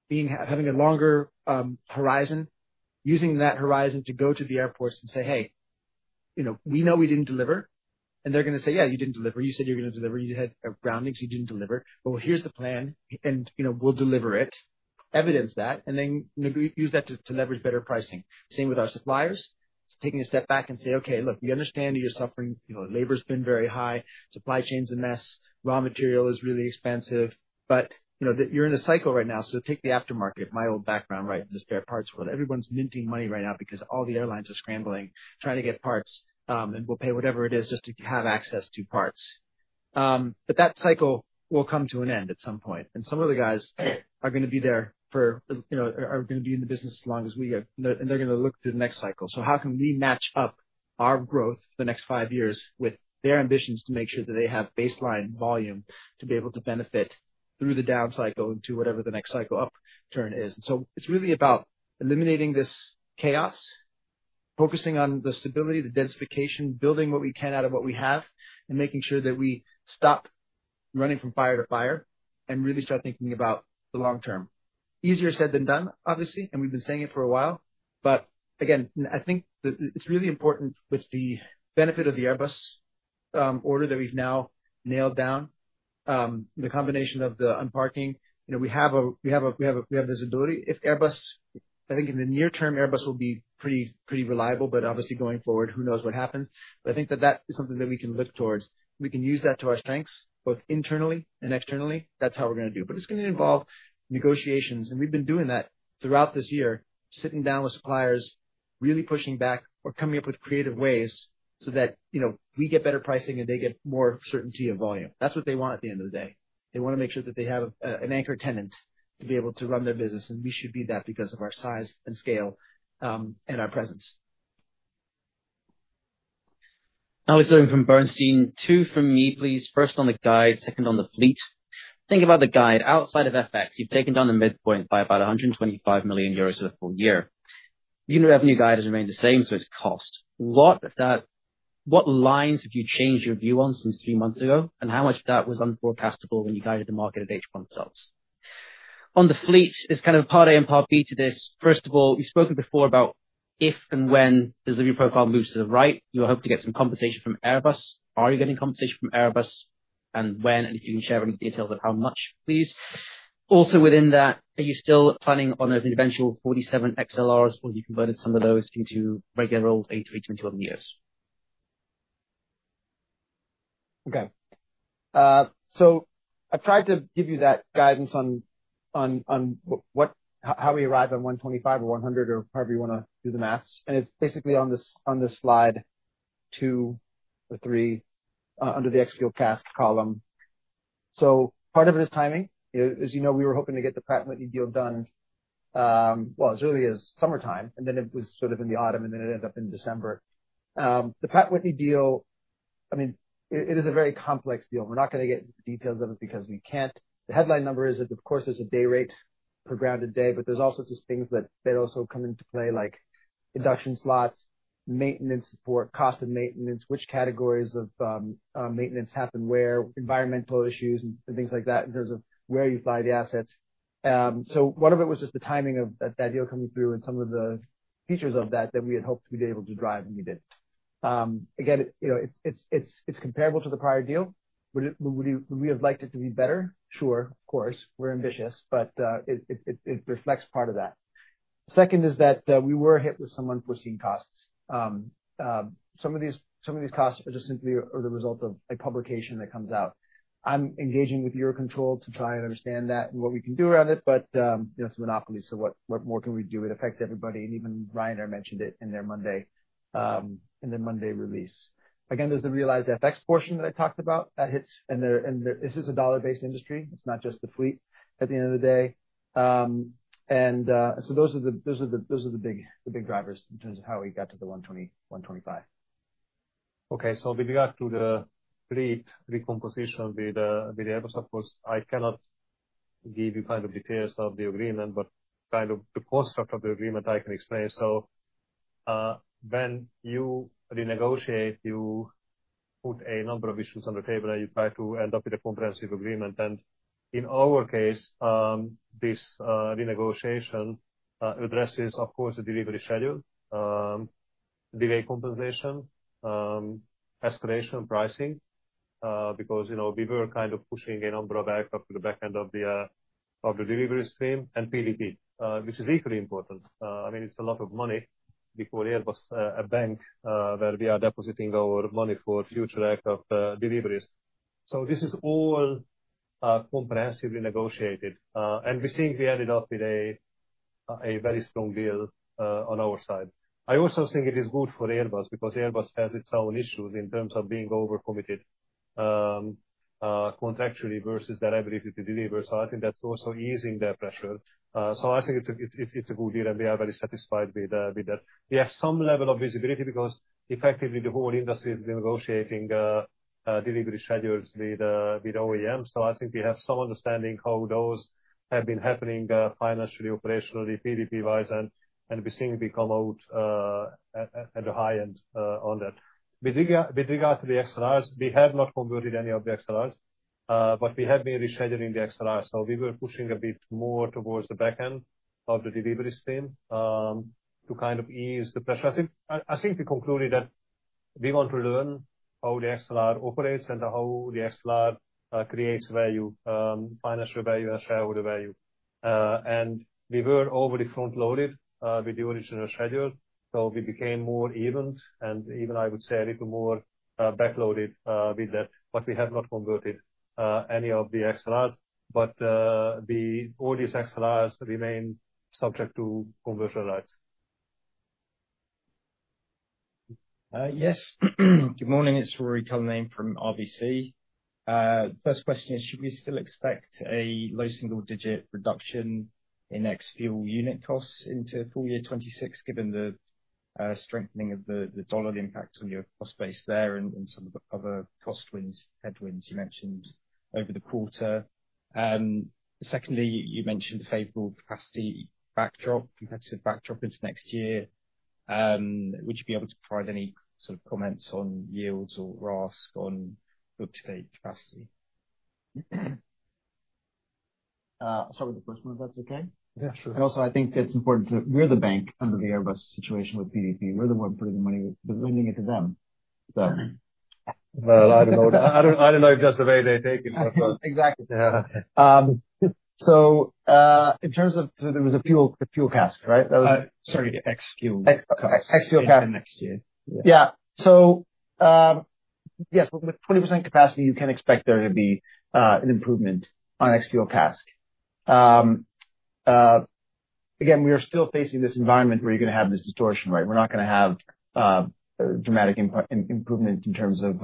having a longer horizon, using that horizon to go to the airports and say, "Hey, we know we didn't deliver." And they're going to say, "Yeah, you didn't deliver. You said you're going to deliver. You had groundings. You didn't deliver. But here's the plan, and we'll deliver it." Evidence that, and then use that to leverage better pricing. Same with our suppliers. Taking a step back and say, "Okay, look, we understand that you're suffering. Labor has been very high. Supply chain's a mess. Raw material is really expensive. But you're in a cycle right now. So take the aftermarket, my old background, right, in this spare parts world. Everyone's minting money right now because all the airlines are scrambling, trying to get parts, and we'll pay whatever it is just to have access to parts." But that cycle will come to an end at some point. And some of the guys are going to be in the business as long as we are. And they're going to look to the next cycle. So how can we match up our growth for the next five years with their ambitions to make sure that they have baseline volume to be able to benefit through the down cycle into whatever the next cycle upturn is? And so it's really about eliminating this chaos, focusing on the stability, the densification, building what we can out of what we have, and making sure that we stop running from fire to fire and really start thinking about the long term. Easier said than done, obviously. And we've been saying it for a while. But again, I think it's really important with the benefit of the Airbus order that we've now nailed down, the combination of the unparking. We have this ability. If Airbus, I think in the near term, Airbus will be pretty reliable. But obviously, going forward, who knows what happens? I think that that is something that we can look towards. We can use that to our strengths, both internally and externally. That's how we're going to do. But it's going to involve negotiations. And we've been doing that throughout this year, sitting down with suppliers, really pushing back or coming up with creative ways so that we get better pricing and they get more certainty of volume. That's what they want at the end of the day. They want to make sure that they have an anchor tenant to be able to run their business. And we should be that because of our size and scale and our presence. Alex Irving from Bernstein. Two from me, please. First on the guide, second on the fleet. Think about the guide. Outside of FX, you've taken down the midpoint by about 125 million euros for the full year. Unit revenue guide has remained the same, so it's cost. What lines have you changed your view on since three months ago, and how much of that was unforecastable when you guided the market at H1 results? On the fleet, it's kind of part A and part B to this. First of all, you've spoken before about if and when the delivery profile moves to the right. You hope to get some compensation from Airbus. Are you getting compensation from Airbus? And when? And if you can share any details of how much, please. Also within that, are you still planning on those eventual 47 XLRs, or have you converted some of those into regular old A321neos? Okay, so I tried to give you that guidance on how we arrive on 125 million or 100 million or however you want to do the math. And it's basically on this slide two or three under the ex-fuel CASK column. So part of it is timing. As you know, we were hoping to get the Pratt & Whitney deal done. Well, it's really summertime, and then it was sort of in the autumn, and then it ended up in December. The Pratt & Whitney deal, I mean, it is a very complex deal. We're not going to get into the details of it because we can't. The headline number is that, of course, there's a day rate per grounded day, but there's all sorts of things that also come into play, like induction slots, maintenance support, cost of maintenance, which categories of maintenance happen where, environmental issues, and things like that in terms of where you fly the assets. So one of it was just the timing of that deal coming through and some of the features of that that we had hoped to be able to drive and we didn't. Again, it's comparable to the prior deal. Would we have liked it to be better? Sure, of course. We're ambitious, but it reflects part of that. Second is that we were hit with some unforeseen costs. Some of these costs are just simply the result of a publication that comes out. I'm engaging with EUROCONTROL to try and understand that and what we can do around it, but it's a monopoly, so what more can we do? It affects everybody. And even Ryanair mentioned it in their Monday release. Again, there's the realized FX portion that I talked about that hits. And this is a dollar-based industry. It's not just the fleet at the end of the day, and so those are the big drivers in terms of how we got to the 125 million. Okay, so with regard to the rate recomposition with Airbus, of course, I cannot give you kind of details of the agreement, but kind of the construct of the agreement I can explain. So when you renegotiate, you put a number of issues on the table, and you try to end up with a comprehensive agreement. And in our case, this renegotiation addresses, of course, the delivery schedule, delay compensation, escalation, pricing, because we were kind of pushing a number of aircraft to the back end of the delivery stream, and PDP, which is equally important. I mean, it's a lot of money before Airbus can bank where we are depositing our money for future aircraft deliveries. So this is all comprehensively negotiated. And we think we ended up with a very strong deal on our side. I also think it is good for Airbus because Airbus has its own issues in terms of being overcommitted contractually versus their ability to deliver. So I think that's also easing their pressure. So I think it's a good deal, and we are very satisfied with that. We have some level of visibility because effectively the whole industry has been negotiating delivery schedules with OEM. So I think we have some understanding how those have been happening financially, operationally, PDP-wise, and we think we come out at a high end on that. With regard to the XLRs, we have not converted any of the XLRs, but we have been rescheduling the XLRs. So we were pushing a bit more towards the back end of the delivery stream to kind of ease the pressure. I think we concluded that we want to learn how the XLR operates and how the XLR creates value, financial value, and shareholder value. And we were overly front-loaded with the original schedule, so we became more even and even, I would say, a little more backloaded with that. But we have not converted any of the XLRs, but all these XLRs remain subject to conversion rights. Yes. Good morning. It's Ruairi Cullinane from RBC. First question is, should we still expect a low single-digit reduction in ex-fuel unit costs into full year 2026, given the strengthening of the dollar impact on your cost base there and some of the other cost headwinds you mentioned over the quarter? Secondly, you mentioned favorable capacity backdrop, competitive backdrop into next year. Would you be able to provide any sort of comments on yields or RASK on up-to-date capacity? Sorry, the question, if that's okay. Yeah, sure. And also, I think it's important to we're the bank under the Airbus situation with PDP. We're the one putting the money, the lending it to them. Well, I don't know. I don't know just the way they're taking it. Exactly. So in terms of so there was a fuel CASK, right? Sorry, ex-fuel. Ex-fuel CASK. Ex-fuel CASK into next year. Yeah. So yes, with 20% capacity, you can expect there to be an improvement on ex-fuel CASK. Again, we are still facing this environment where you're going to have this distortion, right? We're not going to have a dramatic improvement in terms of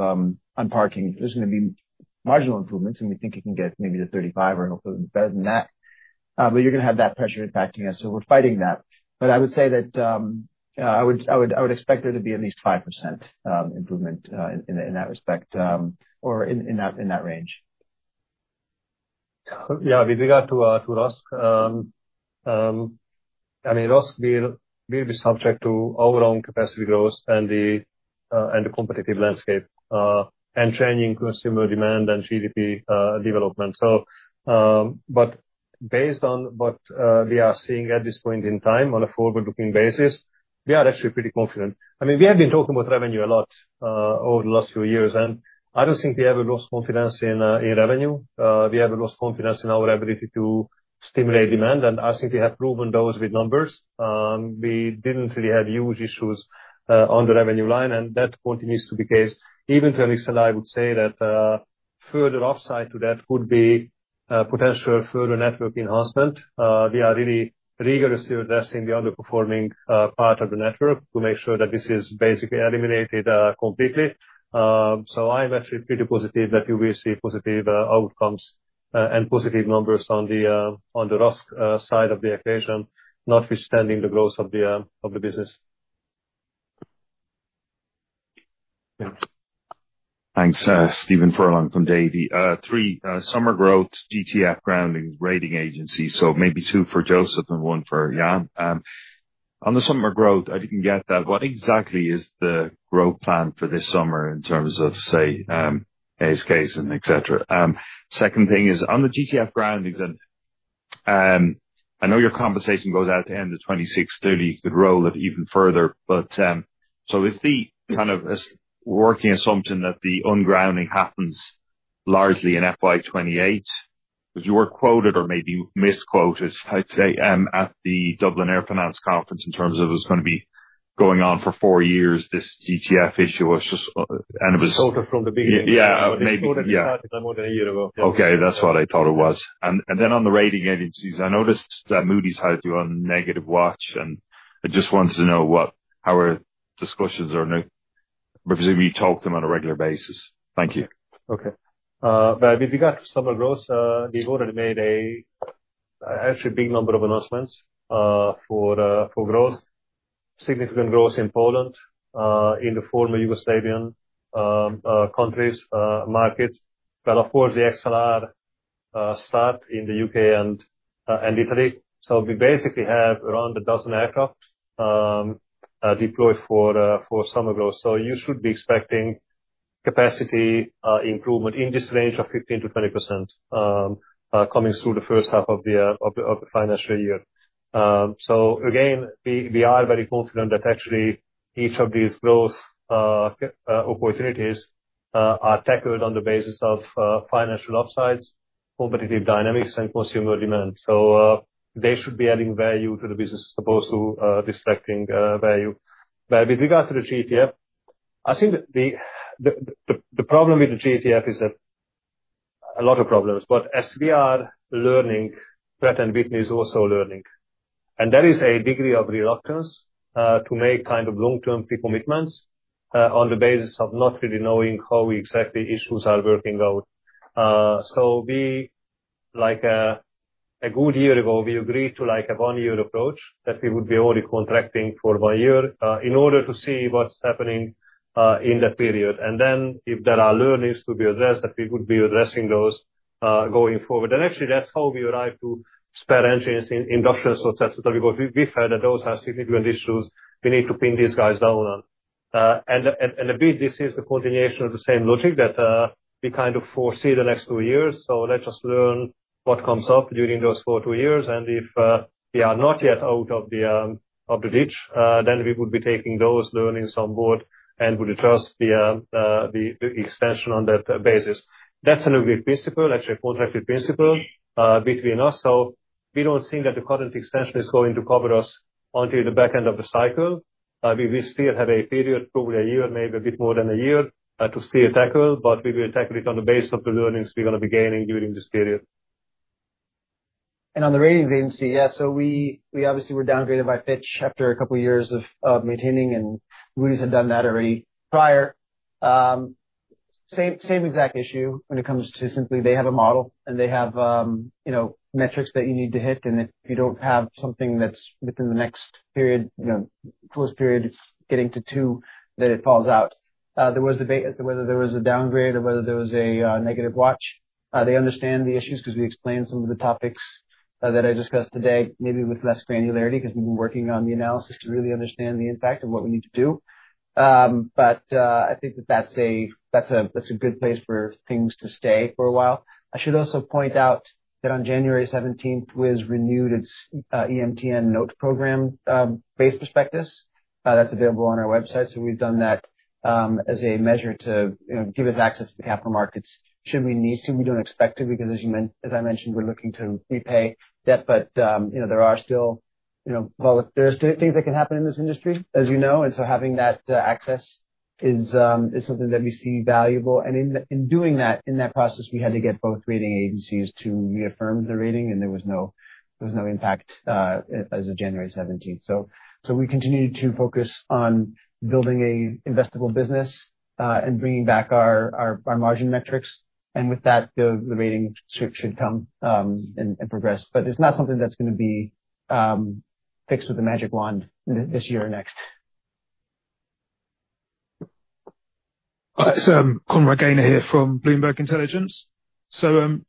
unparking. There's going to be marginal improvements, and we think it can get maybe to 35 or hopefully better than that. But you're going to have that pressure impacting us, so we're fighting that. But I would say that I would expect there to be at least 5% improvement in that respect or in that range. Yeah. With regard to RASK, I mean, RASK will be subject to our own capacity growth and the competitive landscape and changing consumer demand and GDP development. But based on what we are seeing at this point in time on a forward-looking basis, we are actually pretty confident. I mean, we have been talking about revenue a lot over the last few years, and I don't think we ever lost confidence in revenue. We never lost confidence in our ability to stimulate demand. And I think we have proven those with numbers. We didn't really have huge issues on the revenue line, and that continues to be the case. Even to an extent, I would say that further offside to that could be potential further network enhancement. We are really rigorously addressing the underperforming part of the network to make sure that this is basically eliminated completely. So I'm actually pretty positive that we will see positive outcomes and positive numbers on the RASK side of the equation, notwithstanding the growth of the business. Thanks, Stephen Furlong from Davy. Three summer growth GTF grounding rating agencies. So maybe two for József and one for Ian. On the summer growth, I didn't get that. What exactly is the growth plan for this summer in terms of, say, ASKs and etc.? Second thing is on the GTF groundings, and I know your compensation goes out at the end of 2026. You could roll it even further. But so is the kind of working assumption that the ungrounding happens largely in FY 2028? Because you were quoted or maybe misquoted, I'd say, at the Dublin Air Finance Conference in terms of it was going to be going on for four years, this GTF issue was just an issue It was thought of from the beginning. I thought it started more than a year ago. Okay. That's what I thought it was. And then on the rating agencies, I noticed that Moody's had you on negative watch, and I just wanted to know how our discussions are representing when you talk to them on a regular basis. Thank you. Okay. Well, with regard to summer growth, we've already made actually a big number of announcements for growth, significant growth in Poland, in the former Yugoslavian countries markets, but of course, the XLR start in the U.K. and Italy. So we basically have around a dozen aircraft deployed for summer growth. So you should be expecting capacity improvement in this range of 15%-20% coming through the first half of the financial year. So again, we are very confident that actually each of these growth opportunities are tackled on the basis of financial upsides, competitive dynamics, and consumer demand. So they should be adding value to the business as opposed to distracting value. But with regard to the GTF, I think the problem with the GTF is that a lot of problems. But as we are learning, Pratt & Whitney is also learning. And there is a degree of reluctance to make kind of long-term commitments on the basis of not really knowing how exactly issues are working out. So like a good year ago, we agreed to have a one-year approach that we would be only contracting for one year in order to see what's happening in that period, and then if there are learnings to be addressed, that we would be addressing those going forward, and actually, that's how we arrived to spare engines and induction slots because we felt that those are significant issues we need to pin these guys down on, and a bit, this is the continuation of the same logic that we kind of foresee the next two years, so let's just learn what comes up during those four years, two years, and if we are not yet out of the ditch, then we would be taking those learnings on board and would adjust the extension on that basis. That's an agreed principle, actually a contracted principle between us. So we don't think that the current extension is going to cover us until the back end of the cycle. We will still have a period, probably a year, maybe a bit more than a year to still tackle, but we will tackle it on the basis of the learnings we're going to be gaining during this period. And on the ratings agency, yeah. So we obviously were downgraded by Fitch after a couple of years of maintaining, and Moody's had done that already prior. Same exact issue when it comes to simply they have a model, and they have metrics that you need to hit. And if you don't have something that's within the next period, close period, getting to two, then it falls out. There was debate as to whether there was a downgrade or whether there was a negative watch. They understand the issues because we explained some of the topics that I discussed today, maybe with less granularity because we've been working on the analysis to really understand the impact of what we need to do. But I think that that's a good place for things to stay for a while. I should also point out that on January 17th, we renewed its EMTN Note Programme Base Prospectus. That's available on our website. So we've done that as a measure to give us access to the capital markets should we need to. We don't expect to because, as I mentioned, we're looking to repay debt. But there are still, well, things that can happen in this industry, as you know. And so having that access is something that we see valuable. In doing that, in that process, we had to get both rating agencies to reaffirm the rating, and there was no impact as of January 17th. We continue to focus on building an investable business and bringing back our margin metrics. With that, the rating should come and progress. But it's not something that's going to be fixed with a magic wand this year or next. All right. I'm Conroy Gaynor here from Bloomberg Intelligence.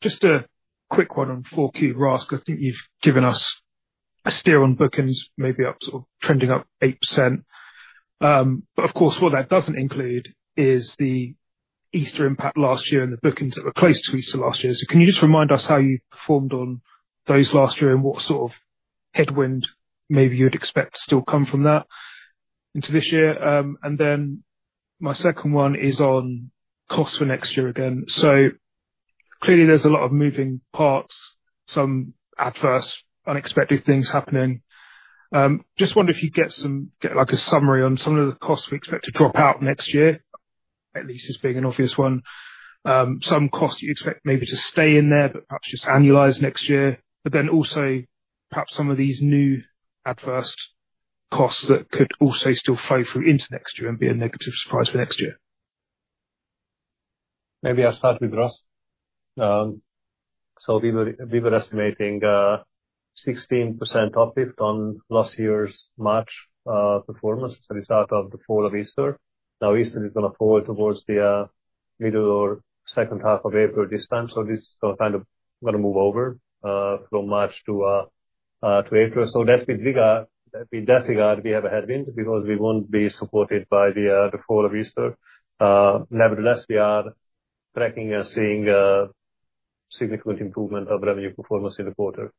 Just a quick one on 4Q RASK. I think you've given us a steer on bookings, maybe up sort of trending up 8%. Of course, what that doesn't include is the Easter impact last year and the bookings that were close to Easter last year. So can you just remind us how you performed on those last year and what sort of headwind maybe you would expect to still come from that into this year? And then my second one is on costs for next year again. So clearly, there's a lot of moving parts, some adverse, unexpected things happening. Just wonder if you get a summary on some of the costs we expect to drop out next year, at least as being an obvious one. Some costs you expect maybe to stay in there, but perhaps just annualize next year. But then also perhaps some of these new adverse costs that could also still flow through into next year and be a negative surprise for next year. Maybe I'll start with RASK. So we were estimating 16% uplift on last year's March performance. So it's out of the fall of Easter. Now, Easter is going to fall towards the middle or second half of April this time. So this is going to kind of move over from March to April. So in that regard, we have a headwind because we won't be supported by the fall of Easter. Nevertheless, we are tracking and seeing significant improvement of revenue performance in the quarter.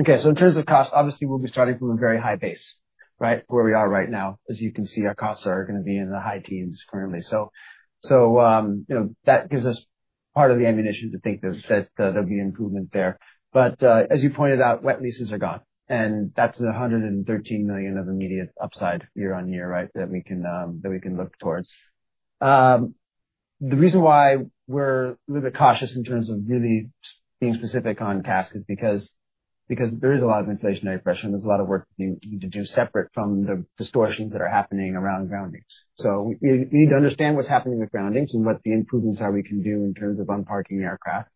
Okay. So in terms of cost, obviously, we'll be starting from a very high base, right, where we are right now. As you can see, our costs are going to be in the high teens currently. So that gives us part of the ammunition to think that there'll be improvement there. But as you pointed out, wet leases are gone. And that's 113 million of immediate upside year-on-year, right, that we can look towards. The reason why we're a little bit cautious in terms of really being specific on CASK is because there is a lot of inflationary pressure, and there's a lot of work we need to do separate from the distortions that are happening around groundings. So we need to understand what's happening with groundings and what the improvements are we can do in terms of unparking aircraft.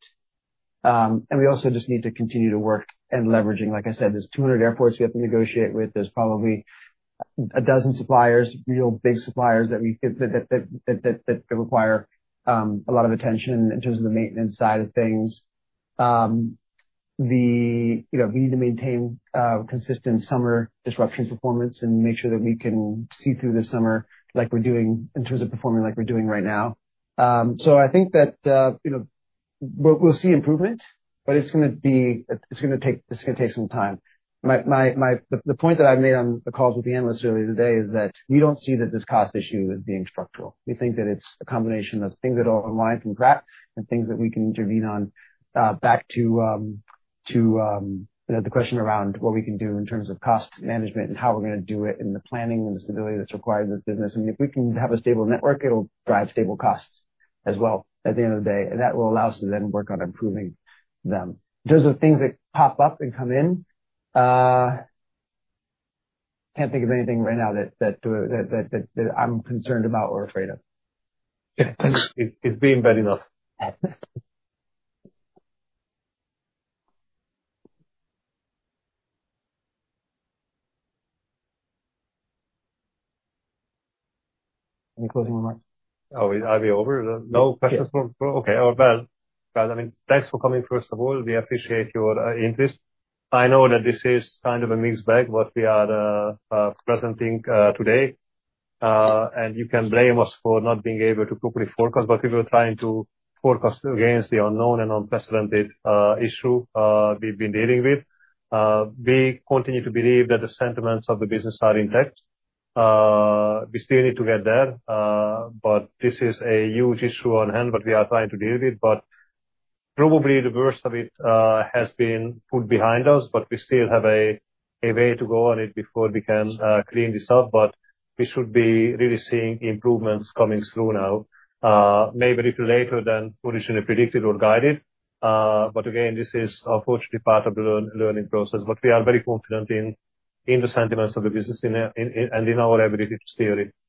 And we also just need to continue to work and leveraging, like I said, there's 200 airports we have to negotiate with. There's probably a dozen suppliers, real big suppliers that require a lot of attention in terms of the maintenance side of things. We need to maintain consistent summer disruption performance and make sure that we can see through the summer like we're doing in terms of performing like we're doing right now. So, I think that we'll see improvement, but it's going to take some time. The point that I've made on the calls with the analysts earlier today is that we don't see that this cost issue is being structural. We think that it's a combination of things that are aligned from Pratt and things that we can intervene on, back to the question around what we can do in terms of cost management and how we're going to do it and the planning and the stability that's required in this business, and if we can have a stable network, it'll drive stable costs as well at the end of the day, and that will allow us to then work on improving them. In terms of things that pop up and come in, I can't think of anything right now that I'm concerned about or afraid of. Yeah. Thanks. It's been bad enough. Any closing remarks? Are we over? No questions? Okay. Well, I mean, thanks for coming, first of all. We appreciate your interest. I know that this is kind of a mixed bag, what we are presenting today, and you can blame us for not being able to properly forecast, but we were trying to forecast against the unknown and unprecedented issue we've been dealing with. We continue to believe that the sentiments of the business are intact. We still need to get there, but this is a huge issue on hand that we are trying to deal with, but probably the worst of it has been put behind us, but we still have a way to go on it before we can clean this up, but we should be really seeing improvements coming through now, maybe a little later than originally predicted or guided. But again, this is unfortunately part of the learning process. But we are very confident in the sentiments of the business and in our ability to steer it. Thank you.